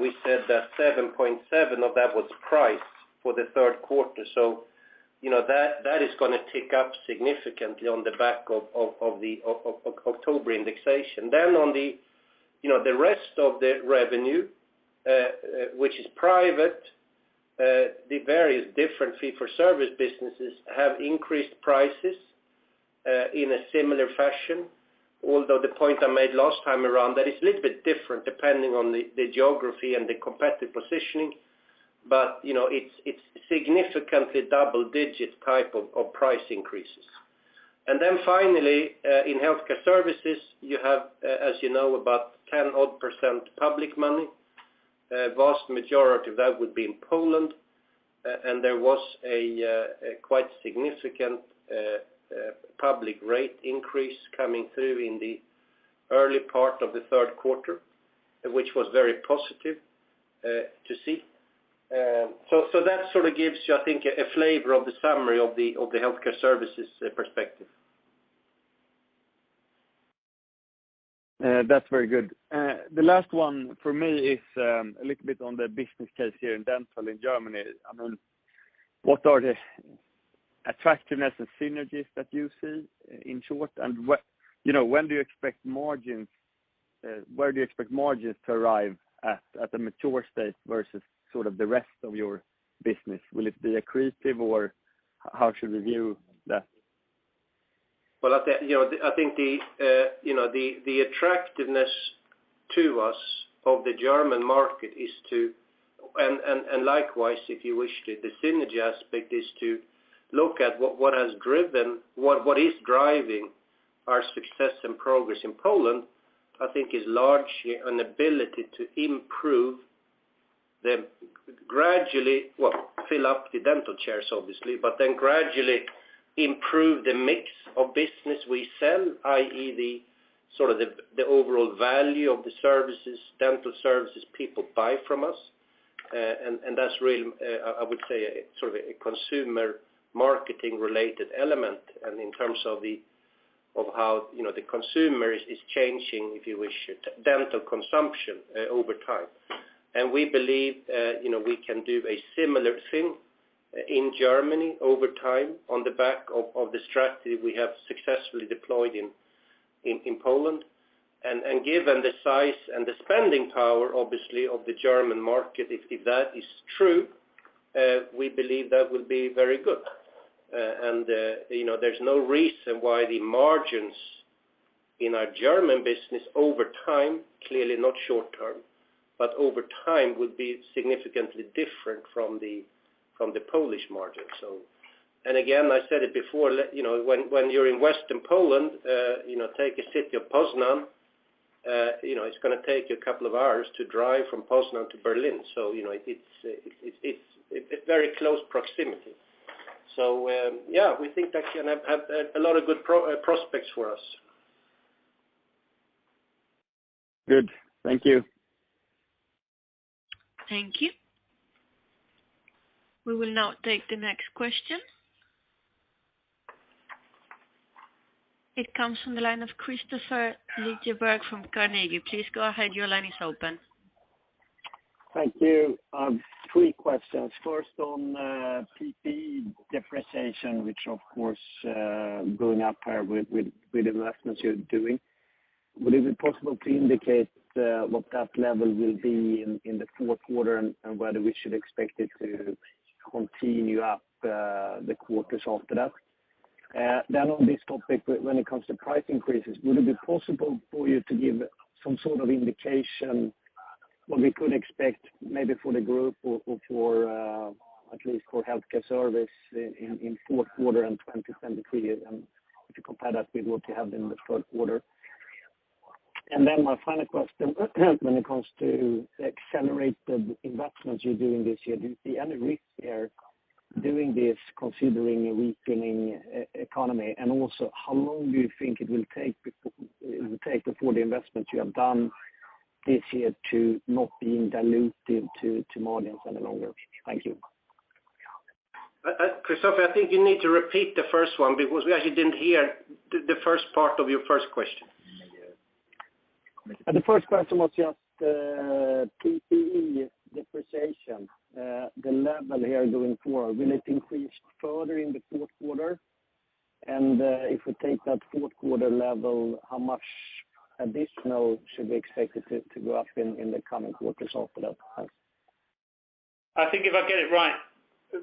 [SPEAKER 2] We said that 7.7% of that was price for the third quarter. You know, that is gonna tick up significantly on the back of the October indexation. On the rest of the revenue, you know, which is private, the various different fee-for-service businesses have increased prices in a similar fashion, although the point I made last time around, that is a little bit different depending on the geography and the competitive positioning. You know, it's significantly double-digit type of price increases. Finally, in healthcare services, you have, as you know, about 10-odd% public money. A vast majority of that would be in Poland, and there was a quite significant public rate increase coming through in the early part of the third quarter, which was very positive to see. That sort of gives you, I think, a flavor of the summary of the healthcare services perspective.
[SPEAKER 4] That's very good. The last one for me is a little bit on the business case here in dental in Germany. I mean, what are the attractiveness and synergies that you see in short? You know, when do you expect margins, where do you expect margins to arrive at the mature state versus sort of the rest of your business? Will it be accretive or how should we view that?
[SPEAKER 2] Well, I think, you know, I think the attractiveness to us of the German market. Likewise, if you wish, the synergy aspect is to look at what has driven, what is driving our success and progress in Poland. I think it is largely an ability to improve gradually, well, fill up the dental chairs obviously, but then gradually improve the mix of business we sell, i.e. the sort of the overall value of the services, dental services people buy from us. That's really, I would say, sort of a consumer marketing related element and in terms of how, you know, the consumer is changing, if you wish, dental consumption over time. We believe, you know, we can do a similar thing in Germany over time on the back of the strategy we have successfully deployed in Poland. Given the size and the spending power, obviously, of the German market, if that is true, we believe that will be very good. You know, there's no reason why the margins in our German business over time, clearly not short term, but over time would be significantly different from the Polish margin. Again, I said it before, let you know, when you're in Western Poland, you know, take a city of Poznań, you know, it's gonna take you a couple of hours to drive from Poznań to Berlin. You know, it's very close proximity. Yeah, we think that can have a lot of good prospects for us.
[SPEAKER 4] Good. Thank you.
[SPEAKER 1] Thank you. We will now take the next question. It comes from the line of Kristofer Liljeberg from Carnegie. Please go ahead. Your line is open.
[SPEAKER 5] Thank you. Three questions. First on PPE depreciation, which of course going up here with investments you're doing. Would it be possible to indicate what that level will be in the fourth quarter and whether we should expect it to continue up the quarters after that? On this topic, when it comes to price increases, would it be possible for you to give some sort of indication what we could expect maybe for the group or for at least for Healthcare Services in fourth quarter and 2023, and if you compare that with what you have in the third quarter. My final question, when it comes to accelerated investments you're doing this year, do you see any risk there doing this considering a weakening economy? Also, how long do you think it will take before the investments you have done this year to not being dilutive to margins any longer? Thank you.
[SPEAKER 3] Kristofer, I think you need to repeat the first one because we actually didn't hear the first part of your first question.
[SPEAKER 5] The first question was just, PPE depreciation. The level here going forward, will it increase further in the fourth quarter? If we take that fourth quarter level, how much additional should we expect it to go up in the coming quarters after that? Thanks.
[SPEAKER 3] I think if I get it right,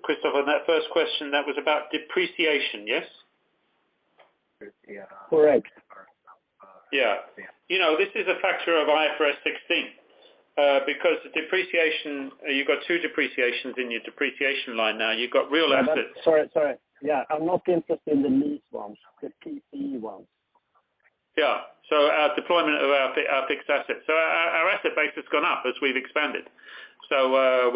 [SPEAKER 3] Kristofer, on that first question, that was about depreciation, yes?
[SPEAKER 5] Correct.
[SPEAKER 3] Yeah. You know, this is a factor of IFRS 16. Because the depreciation, you've got two depreciations in your depreciation line now. You've got real assets.
[SPEAKER 5] Sorry. Yeah, I'm not interested in the lease one. The PPE one.
[SPEAKER 3] Yeah. Our deployment of our fixed assets. Our asset base has gone up as we've expanded. We're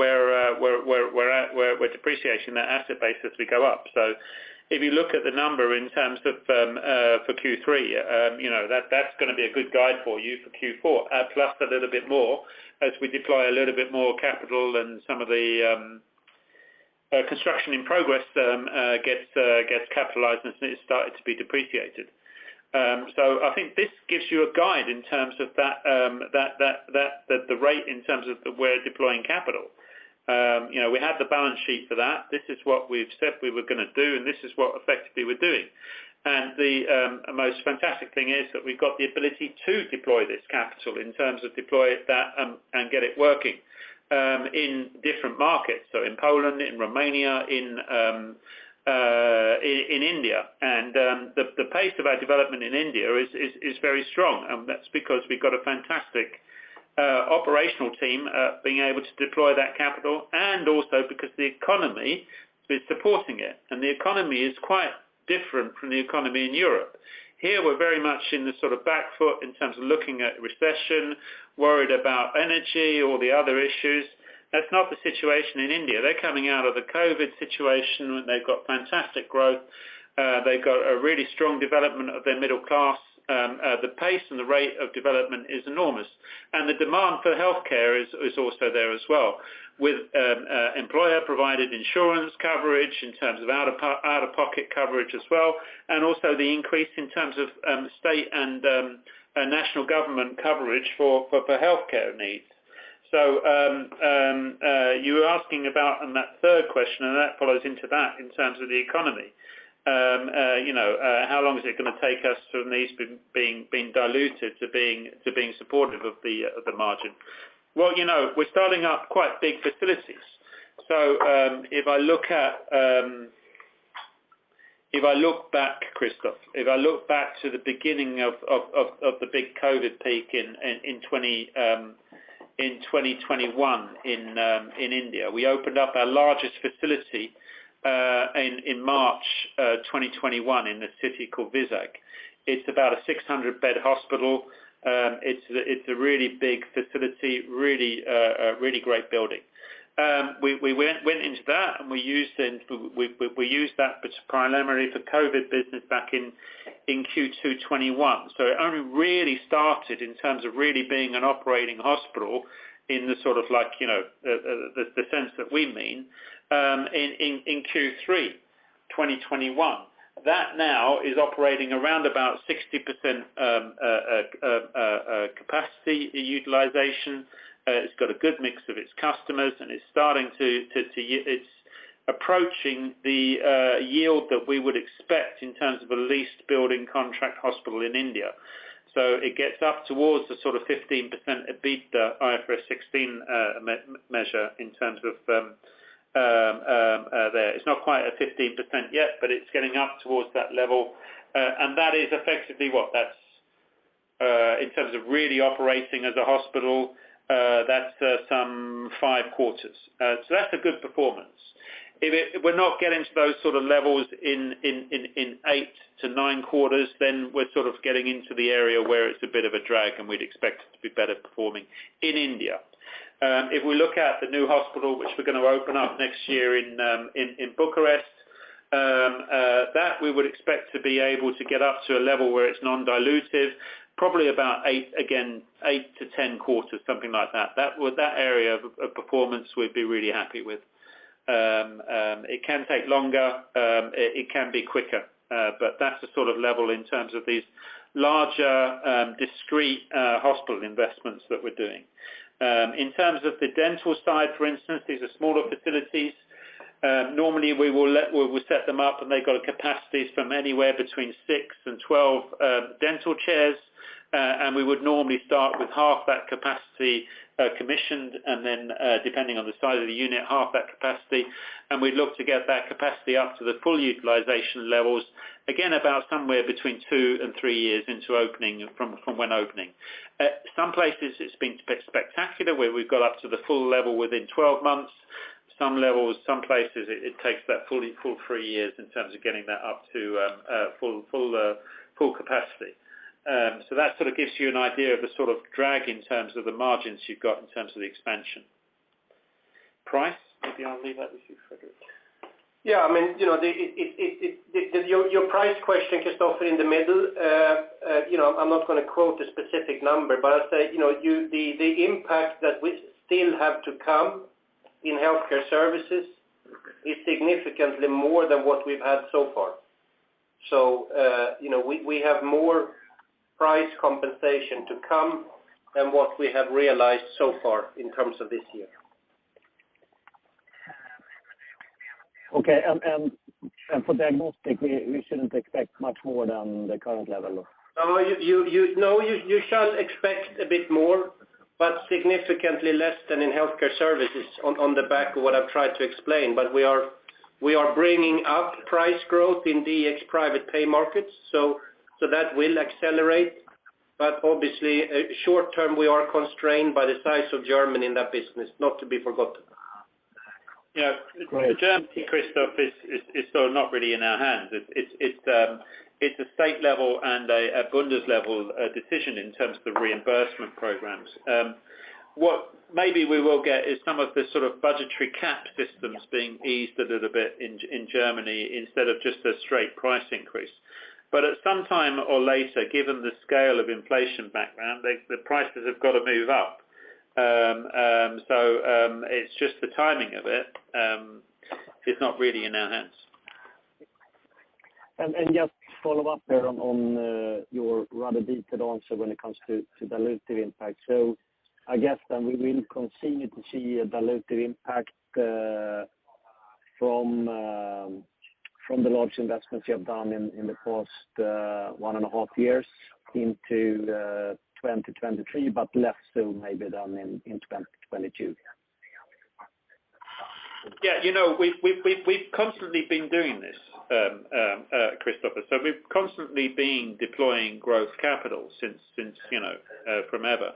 [SPEAKER 3] depreciating that asset base as we go up. If you look at the number in terms of for Q3, you know, that's gonna be a good guide for you for Q4, plus a little bit more as we deploy a little bit more capital and some of the Construction in Progress turns gets capitalized, and it's started to be depreciated. I think this gives you a guide in terms of that, the rate in terms of the way we're deploying capital. You know, we have the balance sheet for that. This is what we've said we were gonna do, and this is what effectively we're doing. The most fantastic thing is that we've got the ability to deploy this capital in terms of deploy that, and get it working in different markets. In Poland, in Romania, in India. The pace of our development in India is very strong, and that's because we've got a fantastic operational team being able to deploy that capital and also because the economy is supporting it. The economy is quite different from the economy in Europe. Here, we're very much in the sort of back foot in terms of looking at recession, worried about energy or the other issues. That's not the situation in India. They're coming out of the COVID situation, and they've got fantastic growth. They've got a really strong development of their middle class. The pace and the rate of development is enormous. The demand for healthcare is also there as well with employer-provided insurance coverage in terms of out-of-pocket coverage as well, and also the increase in terms of state and national government coverage for healthcare needs. You were asking about on that third question, and that follows into that in terms of the economy. You know, how long is it gonna take us from these being diluted to being supportive of the margin? Well, you know, we're starting up quite big facilities. If I look back, Kristofer, to the beginning of the big COVID peak in 2021 in India. We opened up our largest facility in March 2021 in a city called Vizag. It's about a 600-bed hospital. It's a really big facility, really a great building. We used that primarily for COVID business back in Q2 2021. It only really started in terms of really being an operating hospital in the sort of like, you know, the sense that we mean in Q3 2021. That now is operating around about 60% capacity utilization. It's got a good mix of its customers, and it's approaching the yield that we would expect in terms of a leased building contract hospital in India. It gets up towards the sort of 15% EBITDA IFRS 16 measure in terms of there. It's not quite at 15% yet, but it's getting up towards that level. That is effectively what that's in terms of really operating as a hospital, that's some five quarters. That's a good performance. We're not getting to those sort of levels in 8-9 quarters, then we're sort of getting into the area where it's a bit of a drag, and we'd expect it to be better performing in India. If we look at the new hospital, which we're gonna open up next year in Bucharest, that we would expect to be able to get up to a level where it's non-dilutive, probably about eight, again, 8-10 quarters, something like that. That area of performance we'd be really happy with. It can take longer, it can be quicker, but that's the sort of level in terms of these larger, discrete, hospital investments that we're doing. In terms of the dental side, for instance, these are smaller facilities. Normally we will let—we set them up, and they've got capacities from anywhere between six and 12 dental chairs. We would normally start with half that capacity commissioned and then, depending on the size of the unit, half that capacity. We'd look to get that capacity up to the full utilization levels, again, about somewhere between two and three years into opening from when opening. At some places it's been spectacular, where we've got up to the full level within 12 months. Some places it takes that full three years in terms of getting that up to full capacity. That sort of gives you an idea of the sort of drag in terms of the margins you've got in terms of the expansion. Price? Maybe I'll leave that with you, Fredrik.
[SPEAKER 2] Yeah, I mean, you know, your price question, Kristofer, in the middle, you know, I'm not gonna quote a specific number, but I'd say, you know, the impact that we still have to come in Healthcare Services is significantly more than what we've had so far. You know, we have more price compensation to come than what we have realized so far in terms of this year.
[SPEAKER 5] Okay. For diagnostic, we shouldn't expect much more than the current level?
[SPEAKER 2] No, you should expect a bit more, but significantly less than in Healthcare Services on the back of what I've tried to explain. We are bringing up price growth in DX private pay markets, so that will accelerate. Obviously, short-term, we are constrained by the size of Germany in that business, not to be forgotten.
[SPEAKER 3] Yeah.
[SPEAKER 5] Great.
[SPEAKER 3] In Germany, Kristofer, is still not really in our hands. It's a state level and a Bundes level decision in terms of the reimbursement programs. What maybe we will get is some of the sort of budgetary cap systems being eased a little bit in Germany instead of just a straight price increase. At some time or later, given the scale of inflation background, the prices have got to move up. It's just the timing of it is not really in our hands.
[SPEAKER 5] Just follow up there on your rather detailed answer when it comes to dilutive impact. I guess then we will continue to see a dilutive impact from the large investments you have done in the past one and a half years into 2023, but less so maybe than in 2022?
[SPEAKER 3] Yeah. You know, we've constantly been doing this, Kristofer, so we've constantly been deploying growth capital since, you know, from ever.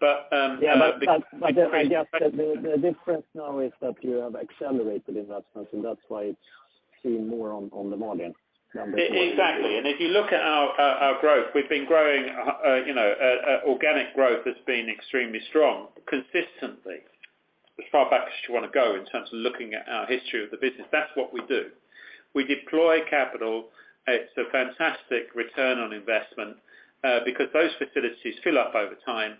[SPEAKER 3] But, because.
[SPEAKER 5] Yeah, I guess the difference now is that you have accelerated investments, and that's why it's seen more on the margin numbers.
[SPEAKER 3] Exactly. If you look at our growth, we've been growing, you know, organic growth has been extremely strong consistently as far back as you wanna go in terms of looking at our history of the business. That's what we do. We deploy capital. It's a fantastic return on investment, because those facilities fill up over time.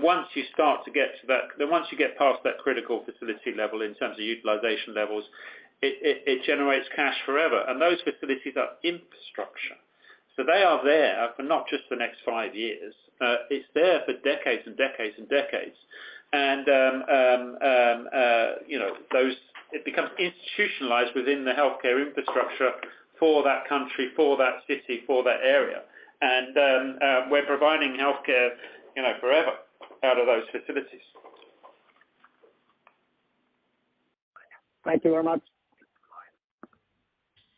[SPEAKER 3] Once you get past that critical facility level in terms of utilization levels, it generates cash forever. Those facilities are infrastructure. They are there for not just the next five years, it's there for decades and decades and decades. You know, it becomes institutionalized within the healthcare infrastructure for that country, for that city, for that area. We're providing healthcare, you know, forever out of those facilities.
[SPEAKER 5] Thank you very much.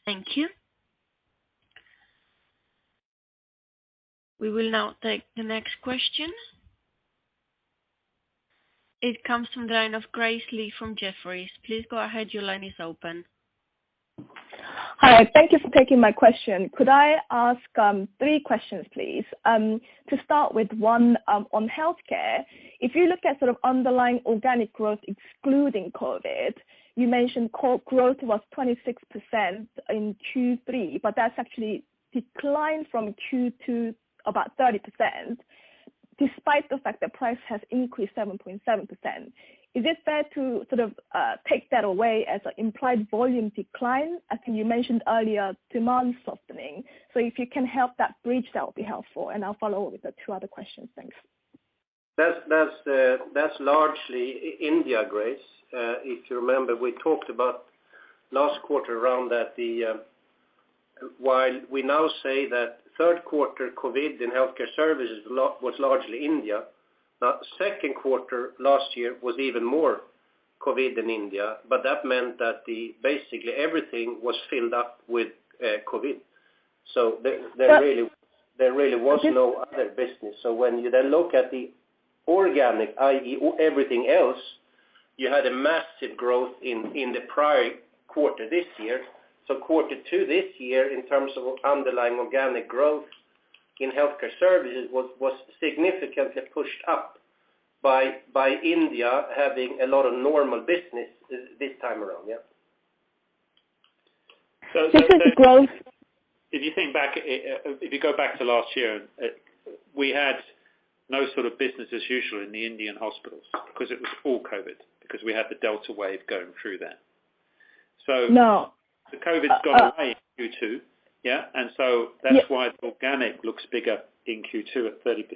[SPEAKER 1] Thank you. We will now take the next question. It comes from the line of Grace Liu from Jefferies. Please go ahead. Your line is open.
[SPEAKER 6] Hi. Thank you for taking my question. Could I ask three questions, please? To start with one on healthcare. If you look at sort of underlying organic growth excluding COVID, you mentioned core growth was 26% in Q3, but that's actually declined from Q2, about 30%, despite the fact that price has increased 7.7%. Is it fair to sort of take that away as an implied volume decline, as you mentioned earlier, demand softening? If you can help that bridge, that would be helpful. I'll follow with the two other questions. Thanks.
[SPEAKER 2] That's largely India, Grace. If you remember, we talked about last quarter while we now say that third quarter COVID in Healthcare Services was largely India, but second quarter last year was even more COVID than India. That meant that basically everything was filled up with COVID. There really
[SPEAKER 6] But-
[SPEAKER 2] There really was no other business. When you then look at the organic, i.e., everything else, you had a massive growth in the prior quarter this year. Quarter two this year, in terms of underlying organic growth in Healthcare Services, was significantly pushed up by India having a lot of normal business this time around, yeah.
[SPEAKER 6] Just on growth.
[SPEAKER 3] If you think back, if you go back to last year, we had no sort of business as usual in the Indian hospitals because it was all COVID, because we had the Delta wave going through there.
[SPEAKER 6] No
[SPEAKER 3] The COVID's gone away in Q2, yeah? That's why organic looks bigger in Q2 at 30%.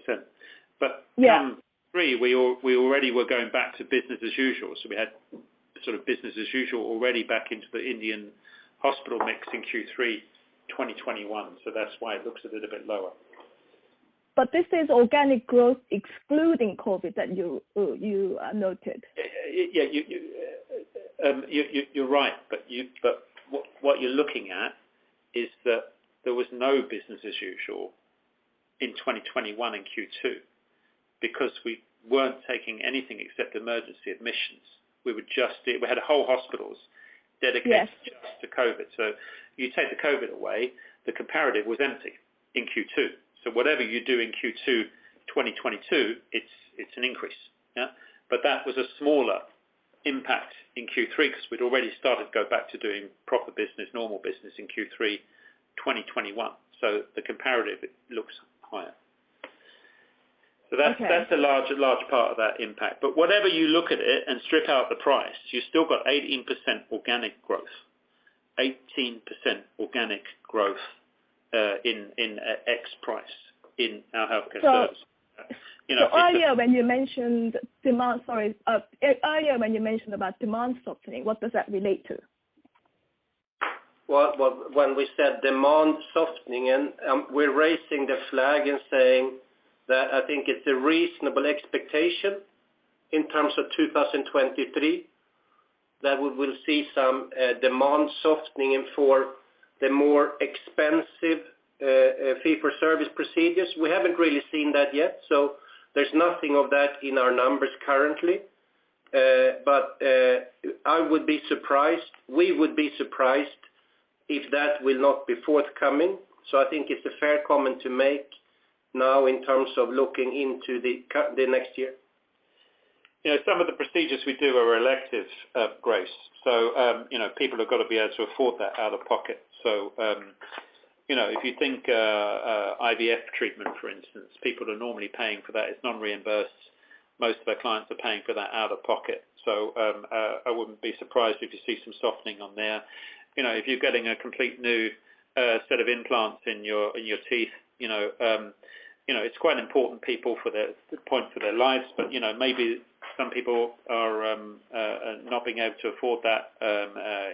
[SPEAKER 6] Yeah.
[SPEAKER 3] In Q3, we already were going back to business as usual. We had sort of business as usual already back into the Indian hospital mix in Q3 2021. That's why it looks a little bit lower.
[SPEAKER 6] This is organic growth excluding COVID that you noted.
[SPEAKER 3] Yeah. You're right. What you're looking at is that there was no business as usual in 2021 in Q2, because we weren't taking anything except emergency admissions. We had whole hospitals dedicated.
[SPEAKER 6] Yes
[SPEAKER 3] Just to COVID. You take the COVID away, the comparative was empty in Q2. Whatever you do in Q2 2022, it's an increase. Yeah? That was a smaller impact in Q3 because we'd already started to go back to doing proper business, normal business in Q3 2021. The comparative looks higher.
[SPEAKER 6] Okay.
[SPEAKER 3] That's a large part of that impact. Whatever you look at it and strip out the price, you still got 18% organic growth. 18% organic growth in ex price in our Healthcare Services.
[SPEAKER 6] So-
[SPEAKER 3] You know,
[SPEAKER 6] Earlier when you mentioned about demand softening, what does that relate to?
[SPEAKER 2] Well, when we said demand softening and we're raising the flag and saying that I think it's a reasonable expectation in terms of 2023, that we will see some demand softening for the more expensive fee-for-service procedures. We haven't really seen that yet, so there's nothing of that in our numbers currently. But we would be surprised if that will not be forthcoming. I think it's a fair comment to make now in terms of looking into the next year.
[SPEAKER 3] You know, some of the procedures we do are elective, Grace. People have got to be able to afford that out of pocket. You know, if you think IVF treatment, for instance, people are normally paying for that. It's non-reimbursed. Most of our clients are paying for that out of pocket. I wouldn't be surprised if you see some softening on there. You know, if you're getting a complete new set of implants in your teeth, you know, it's quite important for people at a point in their lives. You know, maybe some people are not being able to afford that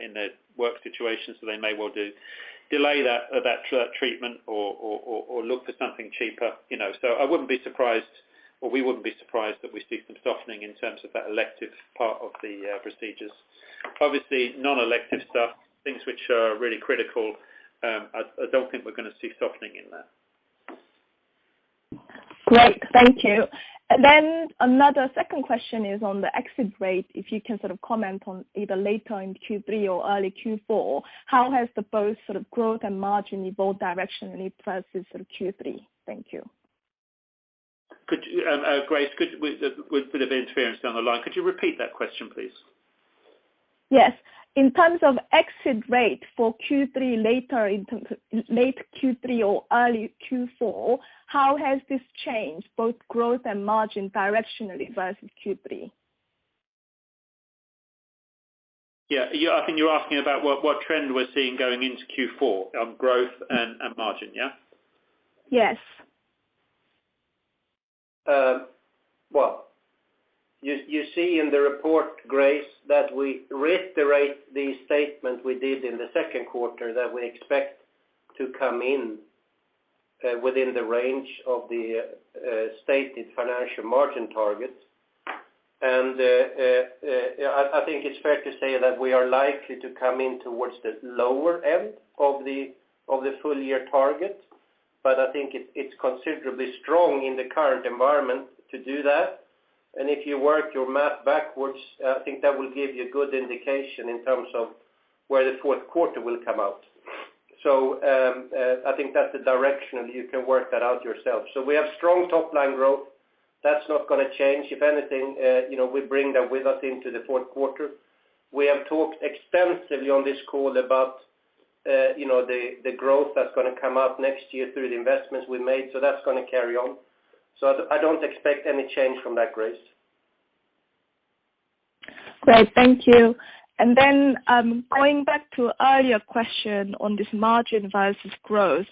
[SPEAKER 3] in their work situation. They may well delay that treatment or look for something cheaper, you know. I wouldn't be surprised, or we wouldn't be surprised that we see some softening in terms of that elective part of the procedures. Obviously, non-elective stuff, things which are really critical, I don't think we're gonna see softening in that.
[SPEAKER 6] Great. Thank you. Another second question is on the exit rate, if you can sort of comment on either later in Q3 or early Q4, how has the both sort of growth and margin in both directionally versus Q3? Thank you.
[SPEAKER 3] Grace, with a bit of interference down the line, could you repeat that question, please?
[SPEAKER 6] Yes. In terms of exit rate for Q3 later in terms of late Q3 or early Q4, how has this changed both growth and margin directionally versus Q3?
[SPEAKER 3] Yeah. I think you're asking about what trend we're seeing going into Q4 on growth and margin, yeah?
[SPEAKER 6] Yes.
[SPEAKER 2] Well, you see in the report, Grace, that we reiterate the statement we did in the second quarter that we expect to come in. I think it's fair to say that we are likely to come in towards the lower end of the full year target, but I think it's considerably strong in the current environment to do that. If you work your math backwards, I think that will give you a good indication in terms of where the fourth quarter will come out. I think that's the direction, and you can work that out yourself. We have strong top-line growth. That's not gonna change. If anything, you know, we bring that with us into the fourth quarter. We have talked extensively on this call about, you know, the growth that's gonna come up next year through the investments we made. That's gonna carry on. I don't expect any change from that, Grace.
[SPEAKER 6] Great. Thank you. Going back to earlier question on this margin versus growth,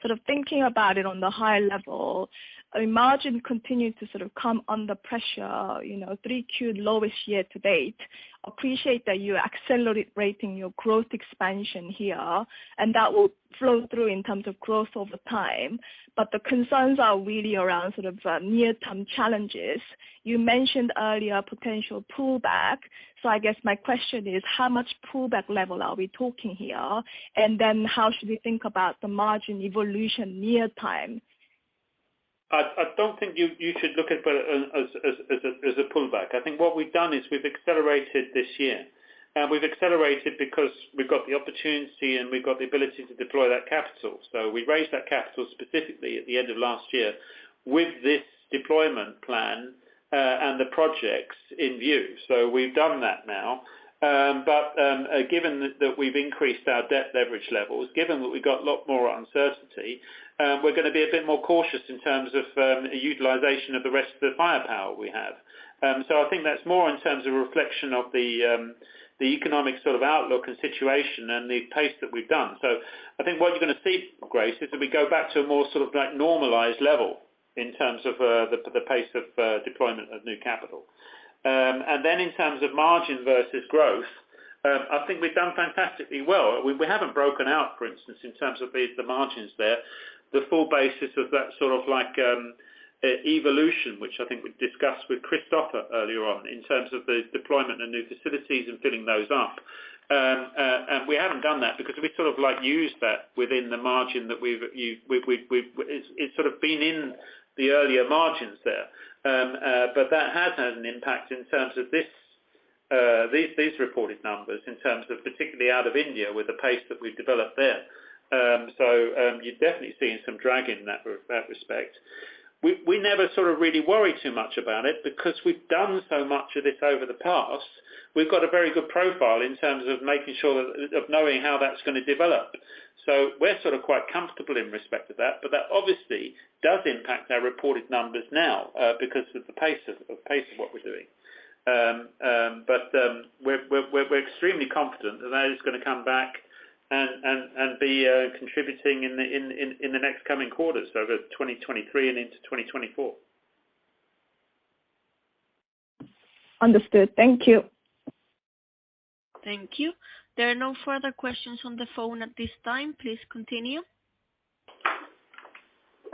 [SPEAKER 6] sort of thinking about it on the high level, I mean, margin continued to sort of come under pressure, you know, 3Q lowest year-to-date. I appreciate that you're accelerating your growth expansion here, and that will flow through in terms of growth over time. The concerns are really around sort of near-time challenges. You mentioned earlier potential pullback. I guess my question is, how much pullback level are we talking here? Then how should we think about the margin evolution near-time?
[SPEAKER 3] I don't think you should look at that as a pullback. I think what we've done is we've accelerated this year. We've accelerated because we've got the opportunity and we've got the ability to deploy that capital. We raised that capital specifically at the end of last year with this deployment plan and the projects in view. We've done that now. Given that we've increased our debt leverage levels, given that we've got a lot more uncertainty, we're gonna be a bit more cautious in terms of utilization of the rest of the firepower we have. I think that's more in terms of reflection of the economic sort of outlook and situation and the pace that we've done. I think what you're gonna see, Grace, is that we go back to a more sort of like normalized level in terms of the pace of deployment of new capital. In terms of margin versus growth, I think we've done fantastically well. We haven't broken out, for instance, in terms of the margins there. The full basis of that sort of like evolution, which I think we discussed with Kristofer earlier on in terms of the deployment and new facilities and filling those up. We haven't done that because we sort of like used that within the margin that we've. It's sort of been in the earlier margins there. That has had an impact in terms of these reported numbers in terms of particularly out of India with the pace that we've developed there. You've definitely seen some drag in that respect. We never sort of really worry too much about it because we've done so much of this over the past. We've got a very good profile in terms of making sure of knowing how that's gonna develop. We're sort of quite comfortable in respect to that, but that obviously does impact our reported numbers now, because of the pace of what we're doing. We're extremely confident that that is gonna come back and be contributing in the next coming quarters, so the 2023 and into 2024.
[SPEAKER 6] Understood. Thank you.
[SPEAKER 1] Thank you. There are no further questions on the phone at this time. Please continue.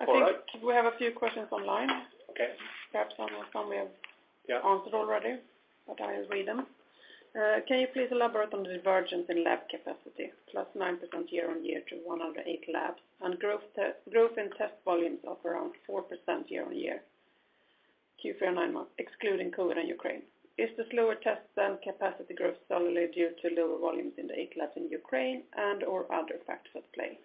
[SPEAKER 3] All right.
[SPEAKER 7] I think we have a few questions online.
[SPEAKER 3] Okay.
[SPEAKER 7] Perhaps some of them we have.
[SPEAKER 3] Yeah.
[SPEAKER 7] Answered already, but I'll read them. Can you please elaborate on the divergence in lab capacity, +9% year-on-year to one out of eight labs, and growth in test volumes of around 4% year-on-year, Q4 nine-month, excluding COVID and Ukraine. Is the slower test than capacity growth solely due to lower volumes in the eight labs in Ukraine and/or other factors at play?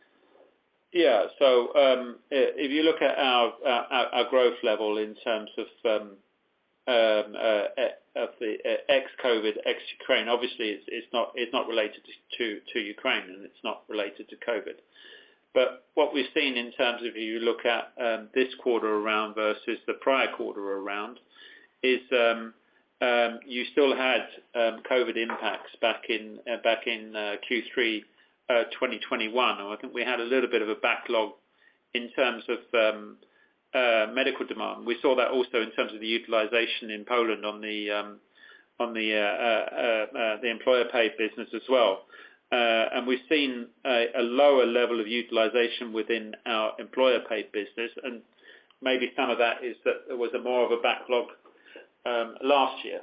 [SPEAKER 3] If you look at our growth level in terms of the ex-COVID, ex-Ukraine, obviously, it's not related to Ukraine, and it's not related to COVID. What we've seen in terms of you look at this quarter year-on-year versus the prior quarter year-on-year is you still had COVID impacts back in Q3 2021. I think we had a little bit of a backlog in terms of medical demand. We saw that also in terms of the utilization in Poland on the employer paid business as well. We've seen a lower level of utilization within our employer paid business, and maybe some of that is that there was more of a backlog last year.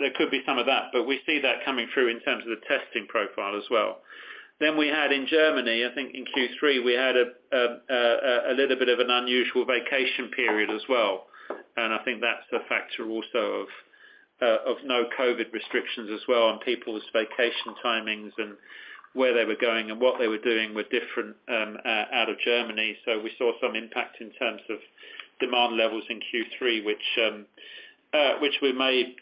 [SPEAKER 3] There could be some of that, but we see that coming through in terms of the testing profile as well. We had in Germany, I think in Q3, a little bit of an unusual vacation period as well. I think that's the factor also of no COVID restrictions as well on people's vacation timings and where they were going and what they were doing were different out of Germany. We saw some impact in terms of demand levels in Q3, which we may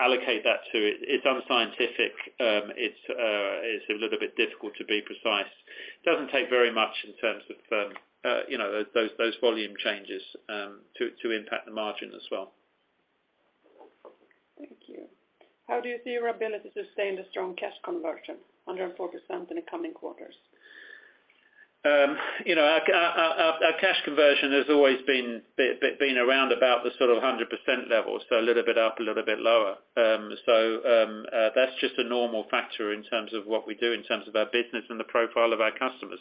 [SPEAKER 3] allocate that to. It's unscientific. It's a little bit difficult to be precise. It doesn't take very much in terms of, you know, those volume changes to impact the margin as well.
[SPEAKER 7] Thank you. How do you see your ability to stay in the strong cash conversion, 104% in the coming quarters?
[SPEAKER 3] You know, our cash conversion has always been around about the sort of 100% level, so a little bit up, a little bit lower. That's just a normal factor in terms of what we do in terms of our business and the profile of our customers.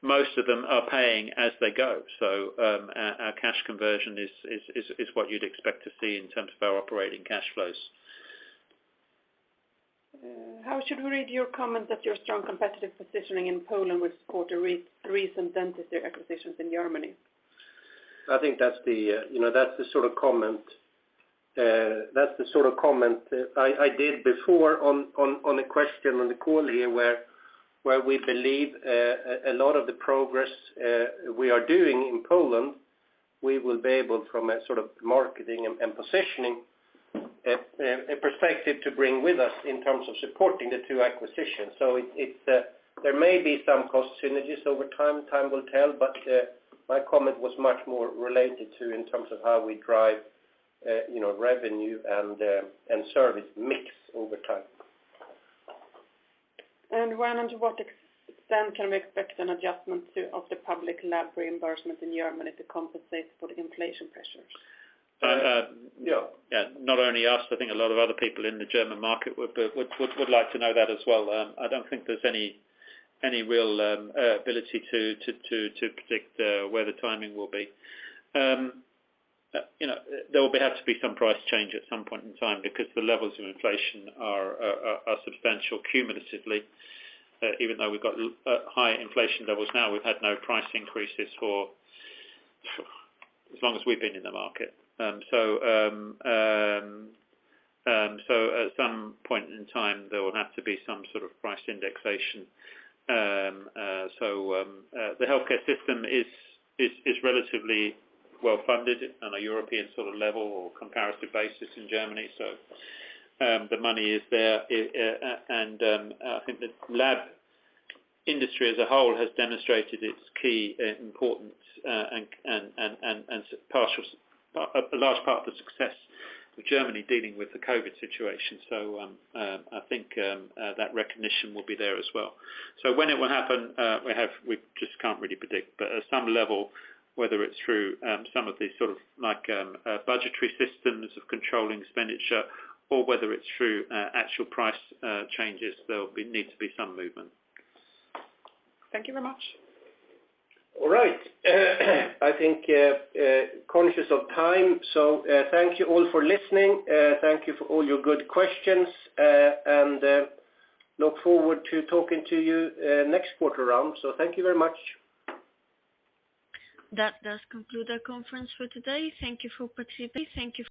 [SPEAKER 3] Most of them are paying as they go. Our cash conversion is what you'd expect to see in terms of our operating cash flows.
[SPEAKER 7] How should we read your comment that your strong competitive positioning in Poland will support the recent dentistry acquisitions in Germany?
[SPEAKER 2] I think that's, you know, the sort of comment I did before on a question on the call here where we believe a lot of the progress we are doing in Poland. We will be able from a sort of marketing and positioning perspective to bring with us in terms of supporting the two acquisitions. There may be some cost synergies over time. Time will tell. My comment was much more related to in terms of how we drive you know revenue and service mix over time.
[SPEAKER 7] When and to what extent can we expect an adjustment of the public lab reimbursement in Germany to compensate for the inflation pressures?
[SPEAKER 3] Yeah, not only us, I think a lot of other people in the German market would like to know that as well. I don't think there's any real ability to predict where the timing will be. You know, there will have to be some price change at some point in time because the levels of inflation are substantial cumulatively. Even though we've got high inflation levels now, we've had no price increases for as long as we've been in the market. At some point in time, there will have to be some sort of price indexation. The healthcare system is relatively well-funded on a European sort of level or comparative basis in Germany. The money is there. I think the lab industry as a whole has demonstrated its key importance, and a large part of the success with Germany dealing with the COVID situation. I think that recognition will be there as well. When it will happen, we just can't really predict. At some level, whether it's through some of these sort of like budgetary systems of controlling expenditure or whether it's through actual price changes, there need to be some movement.
[SPEAKER 7] Thank you very much.
[SPEAKER 2] All right. I think, conscious of time. Thank you all for listening. Thank you for all your good questions, and look forward to talking to you, next quarter round. Thank you very much.
[SPEAKER 1] That does conclude our conference for today. Thank you for participating.